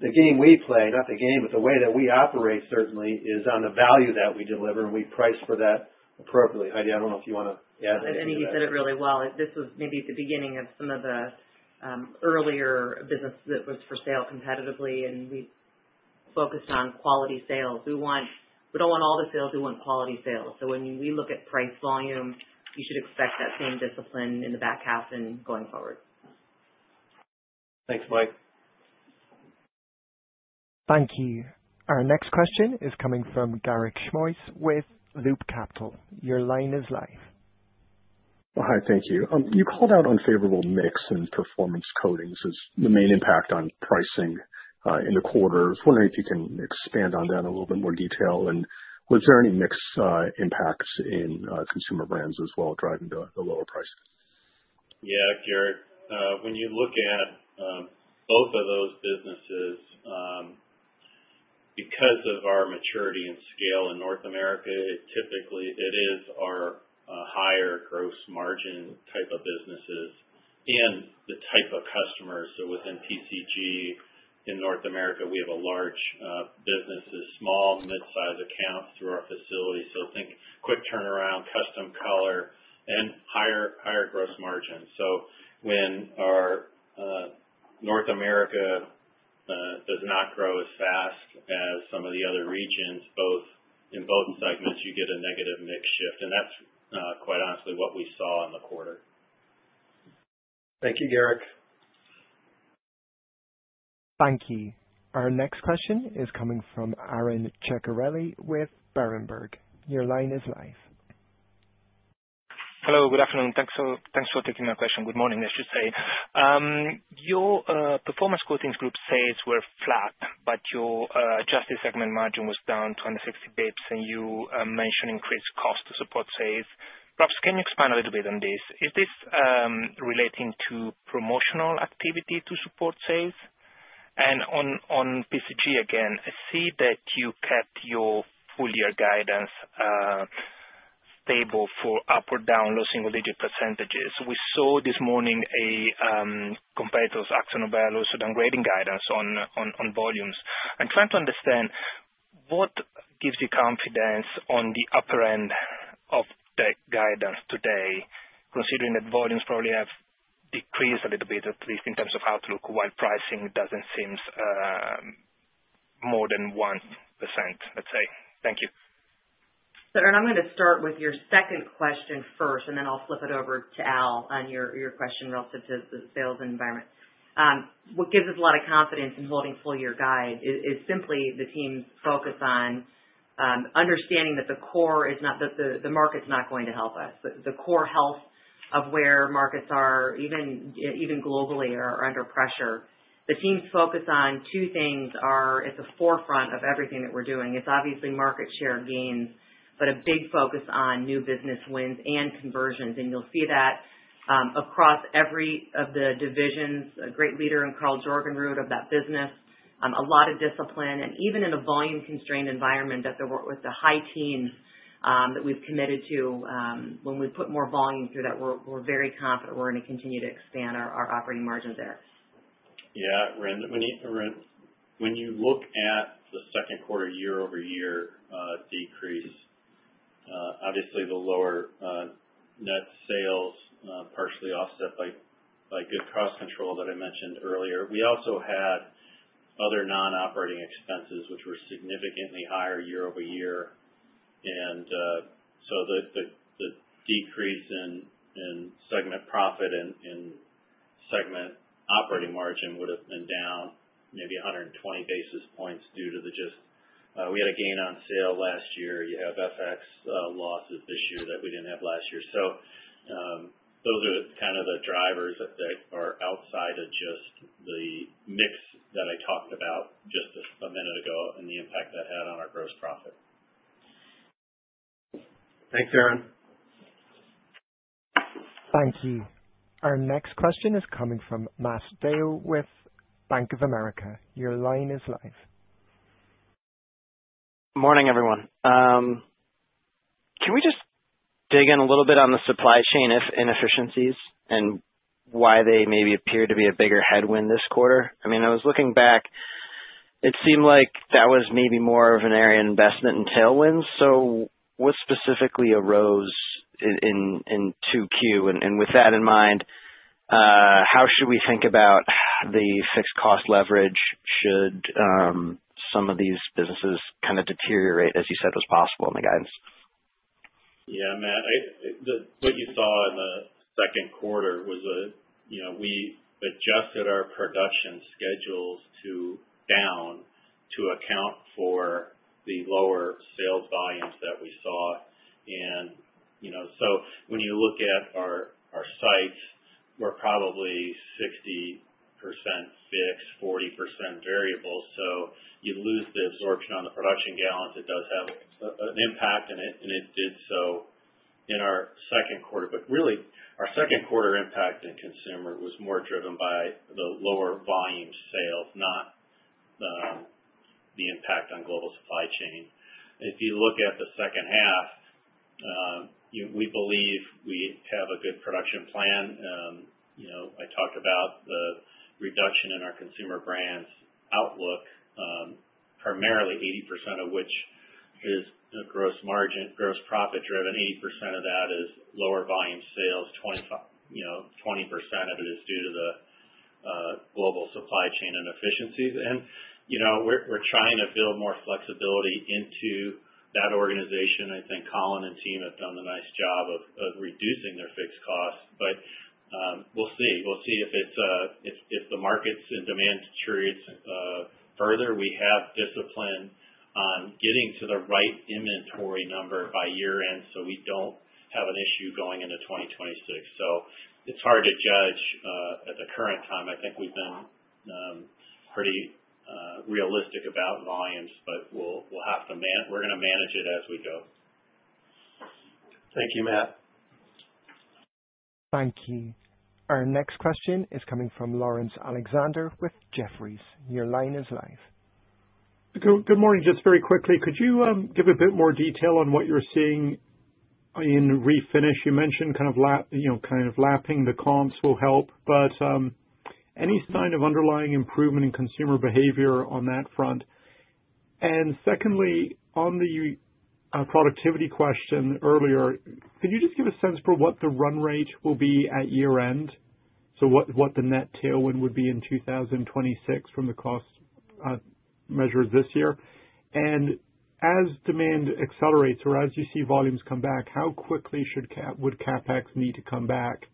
game we play, not the game, but the way that we operate certainly is on the value that we deliver, and we price for that appropriately. Heidi, I don't know if you want to add anything. You said it really well. This was maybe at the beginning of some of the earlier business that was for sale competitively, and we focused on quality sales. We don't want all the sales; we want quality sales. When we look at price volume, you should expect that same discipline in the back half and going forward. Thanks, Mike. Thank you. Our next question is coming from Garik Schmois with Loop Capital.Your line is live. Hi, thank you. You called out unfavorable mix in Performance Coatings as the main impact on pricing in the quarter. I was wondering if you can expand on that in a little bit more detail. Was there any mix impacts in Consumer Brands as well driving the lower price? Yeah, Garik. When you look at both of those businesses. Because of our maturity and scale in North America, it typically is our higher gross margin type of businesses and the type of customers. So within PCG in North America, we have a large business, small, mid-size accounts through our facility. So think quick turnaround, custom color, and higher gross margin. When our North America does not grow as fast as some of the other regions, in both segments, you get a negative mix shift. And that is quite honestly what we saw in the quarter. Thank you, Garrick. Thank you. Our next question is coming from Aron Ceccarelli with Berenberg. Your line is live. Hello, good afternoon. Thanks for taking my question. Good morning, I should say. Your Performance Coatings Group sales were flat, but your adjusted segment margin was down 260 basis points, and you mentioned increased cost to support sales. Perhaps can you expand a little bit on this? Is this relating to promotional activity to support sales? And on PCG, again, I see that you kept your full-year guidance stable for up or down, low single-digit percentages. We saw this morning a competitor's AkzoNobel downgrading guidance on volumes. I'm trying to understand what gives you confidence on the upper end of that guidance today, considering that volumes probably have decreased a little bit, at least in terms of outlook, while pricing does not seem more than 1%, let's say? Thank you. Sir, and I'm going to start with your second question first, and then I'll flip it over to Al on your question relative to the sales environment. What gives us a lot of confidence in holding full-year guide is simply the team's focus on understanding that the core is not that the market is not going to help us. The core health of where markets are, even globally, are under pressure. The team's focus on two things are at the forefront of everything that we are doing. It is obviously market share gains, but a big focus on new business wins and conversions. And you will see that across every one of the divisions. A great leader in Karl Jorgenrud of that business. A lot of discipline. And even in a volume-constrained environment that they are with the high teams that we have committed to, when we put more volume through that, we are very confident we are going to continue to expand our operating margin there. Yeah, Aron. When you look at the second quarter year-over-year decrease, obviously the lower net sales partially offset by good cost control that I mentioned earlier. We also had other non-operating expenses, which were significantly higher year-over-year. The decrease in segment profit and segment operating margin would have been down maybe 120 basis points due to just we had a gain on sale last year. You have FX losses this year that we did not have last year. Those are kind of the drivers that are outside of just the mix that I talked about just a minute ago and the impact that had on our gross profit. Thanks, Aaron. Thank you. Our next question is coming from Matt Dale with Bank of America. Your line is live. Good morning, everyone. Can we just dig in a little bit on the supply chain inefficiencies and why they maybe appear to be a bigger headwind this quarter? I mean, I was looking back. It seemed like that was maybe more of an area of investment in tailwinds. What specifically arose in 2Q? With that in mind, how should we think about the fixed cost leverage should some of these businesses kind of deteriorate, as you said, was possible in the guidance? Yeah, Matt. What you saw in the second quarter was we adjusted our production schedules down to account for the lower sales volumes that we saw. When you look at our sites, we're probably 60% fixed, 40% variable. You lose the absorption on the production gallons. It does have an impact, and it did so in our second quarter. Really, our second quarter impact in consumer was more driven by the lower volume sales, not the impact on global supply chain. If you look at the second half, we believe we have a good production plan. I talked about the reduction in our consumer brands outlook, primarily 80% of which is gross profit driven. 80% of that is lower volume sales. 20% of it is due to the global supply chain inefficiencies. We're trying to build more flexibility into that organization. I think Colin and team have done a nice job of reducing their fixed costs. We'll see. We'll see if the markets and demand deteriorates further. We have discipline on getting to the right inventory number by year-end so we don't have an issue going into 2026. It's hard to judge at the current time. I think we've been pretty realistic about volumes, but we'll have to manage. We're going to manage it as we go. Thank you, Matt. Thank you. Our next question is coming from Laurence Alexander with Jefferies. Your line is live. Good morning. Just very quickly, could you give a bit more detail on what you're seeing in refinish? You mentioned kind of lapping the comps will help, but any sign of underlying improvement in consumer behavior on that front? Secondly, on the productivity question earlier, could you just give a sense for what the run rate will be at year-end? What the net tailwind would be in 2026 from the cost measures this year? As demand accelerates or as you see volumes come back, how quickly would CapEx need to come back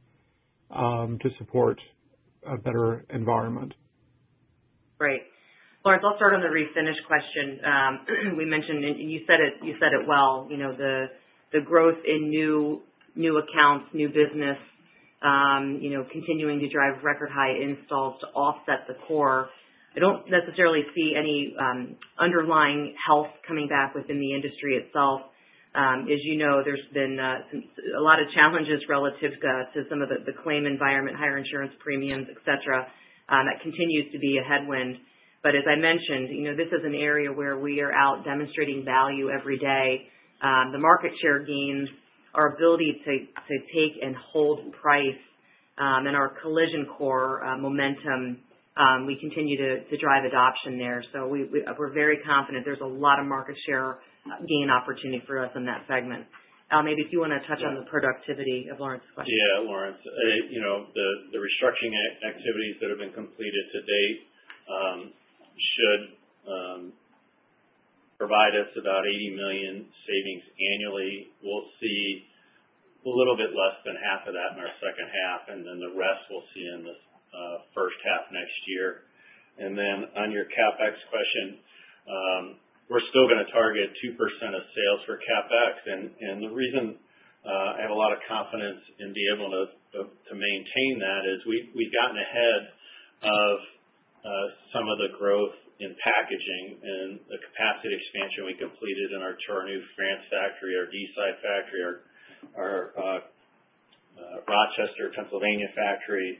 to support a better environment? Right. Laurence, I'll start on the refinish question. You said it well. The growth in new accounts, new business. Continuing to drive record-high installs to offset the core. I do not necessarily see any underlying health coming back within the industry itself. As you know, there has been a lot of challenges relative to some of the claim environment, higher insurance premiums, etc., that continues to be a headwind. As I mentioned, this is an area where we are out demonstrating value every day. The market share gains, our ability to take and hold price, and our collision core momentum, we continue to drive adoption there. We are very confident there is a lot of market share gain opportunity for us in that segment. Al, maybe if you want to touch on the productivity of Laurence's question. Yeah, Laurence. The restructuring activities that have been completed to date should provide us about $80 million savings annually. We will see a little bit less than half of that in our second half, and then the rest we will see in the first half next year. On your CapEx question, we are still going to target 2% of sales for CapEx. The reason I have a lot of confidence in being able to maintain that is we have gotten ahead of some of the growth in packaging and the capacity expansion we completed in our Torre Nouve France factory, our DeSite factory, our Rochester, Pennsylvania factory.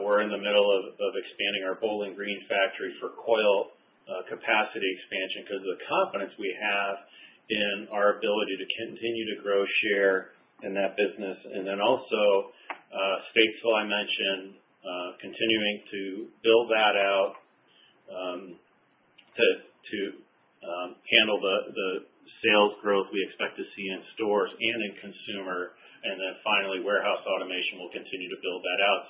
We are in the middle of expanding our Bowling Green factory for coil capacity expansion because of the confidence we have in our ability to continue to grow share in that business. Also, Statesville, I mentioned, continuing to build that out to handle the sales growth we expect to see in stores and in consumer. Finally, warehouse automation will continue to build that out.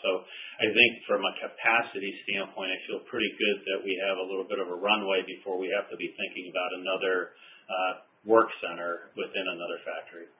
I think from a capacity standpoint, I feel pretty good that we have a little bit of a runway before we have to be thinking about another work center within another factory.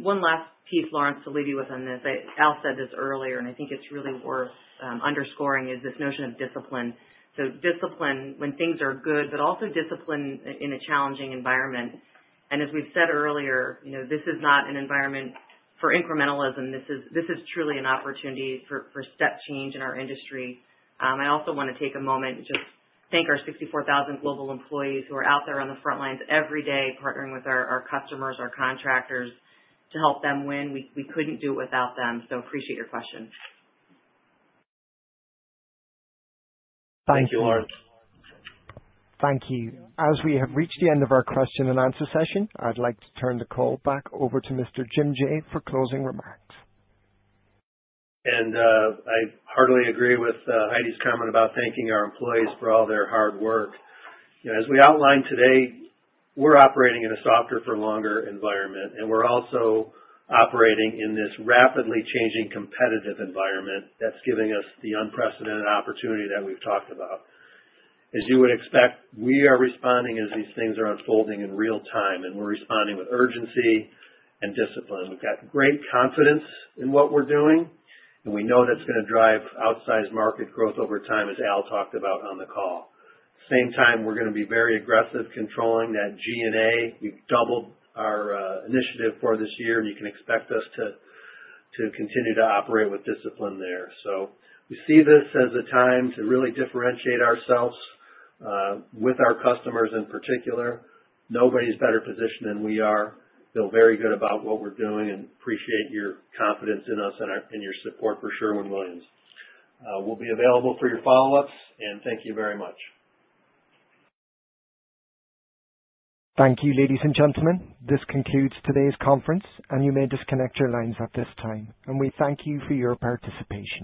One last piece, Laurence, to leave you with on this. Al said this earlier, and I think it is really worth underscoring, is this notion of discipline. Discipline when things are good, but also discipline in a challenging environment. As we have said earlier, this is not an environment for incrementalism. This is truly an opportunity for step change in our industry. I also want to take a moment and just thank our 64,000 global employees who are out there on the front lines every day partnering with our customers, our contractors to help them win. We could not do it without them. Appreciate your question. Thank you, Laurence. Thank you. As we have reached the end of our question and answer session, I would like to turn the call back over to Mr. Jim Jaye for closing remarks. I heartily agree with Heidi's comment about thanking our employees for all their hard work. As we outlined today, we're operating in a softer-for-longer environment, and we're also operating in this rapidly changing competitive environment that's giving us the unprecedented opportunity that we've talked about. As you would expect, we are responding as these things are unfolding in real time, and we're responding with urgency and discipline. We've got great confidence in what we're doing, and we know that's going to drive outsized market growth over time, as Al talked about on the call. At the same time, we're going to be very aggressive controlling that G&A. We've doubled our initiative for this year, and you can expect us to continue to operate with discipline there. We see this as a time to really differentiate ourselves with our customers in particular. Nobody's better positioned than we are. Feel very good about what we're doing and appreciate your confidence in us and your support for Sherwin-Williams. We'll be available for your follow-ups, and thank you very much. Thank you, ladies and gentlemen. This concludes today's conference, and you may disconnect your lines at this time. We thank you for your participation.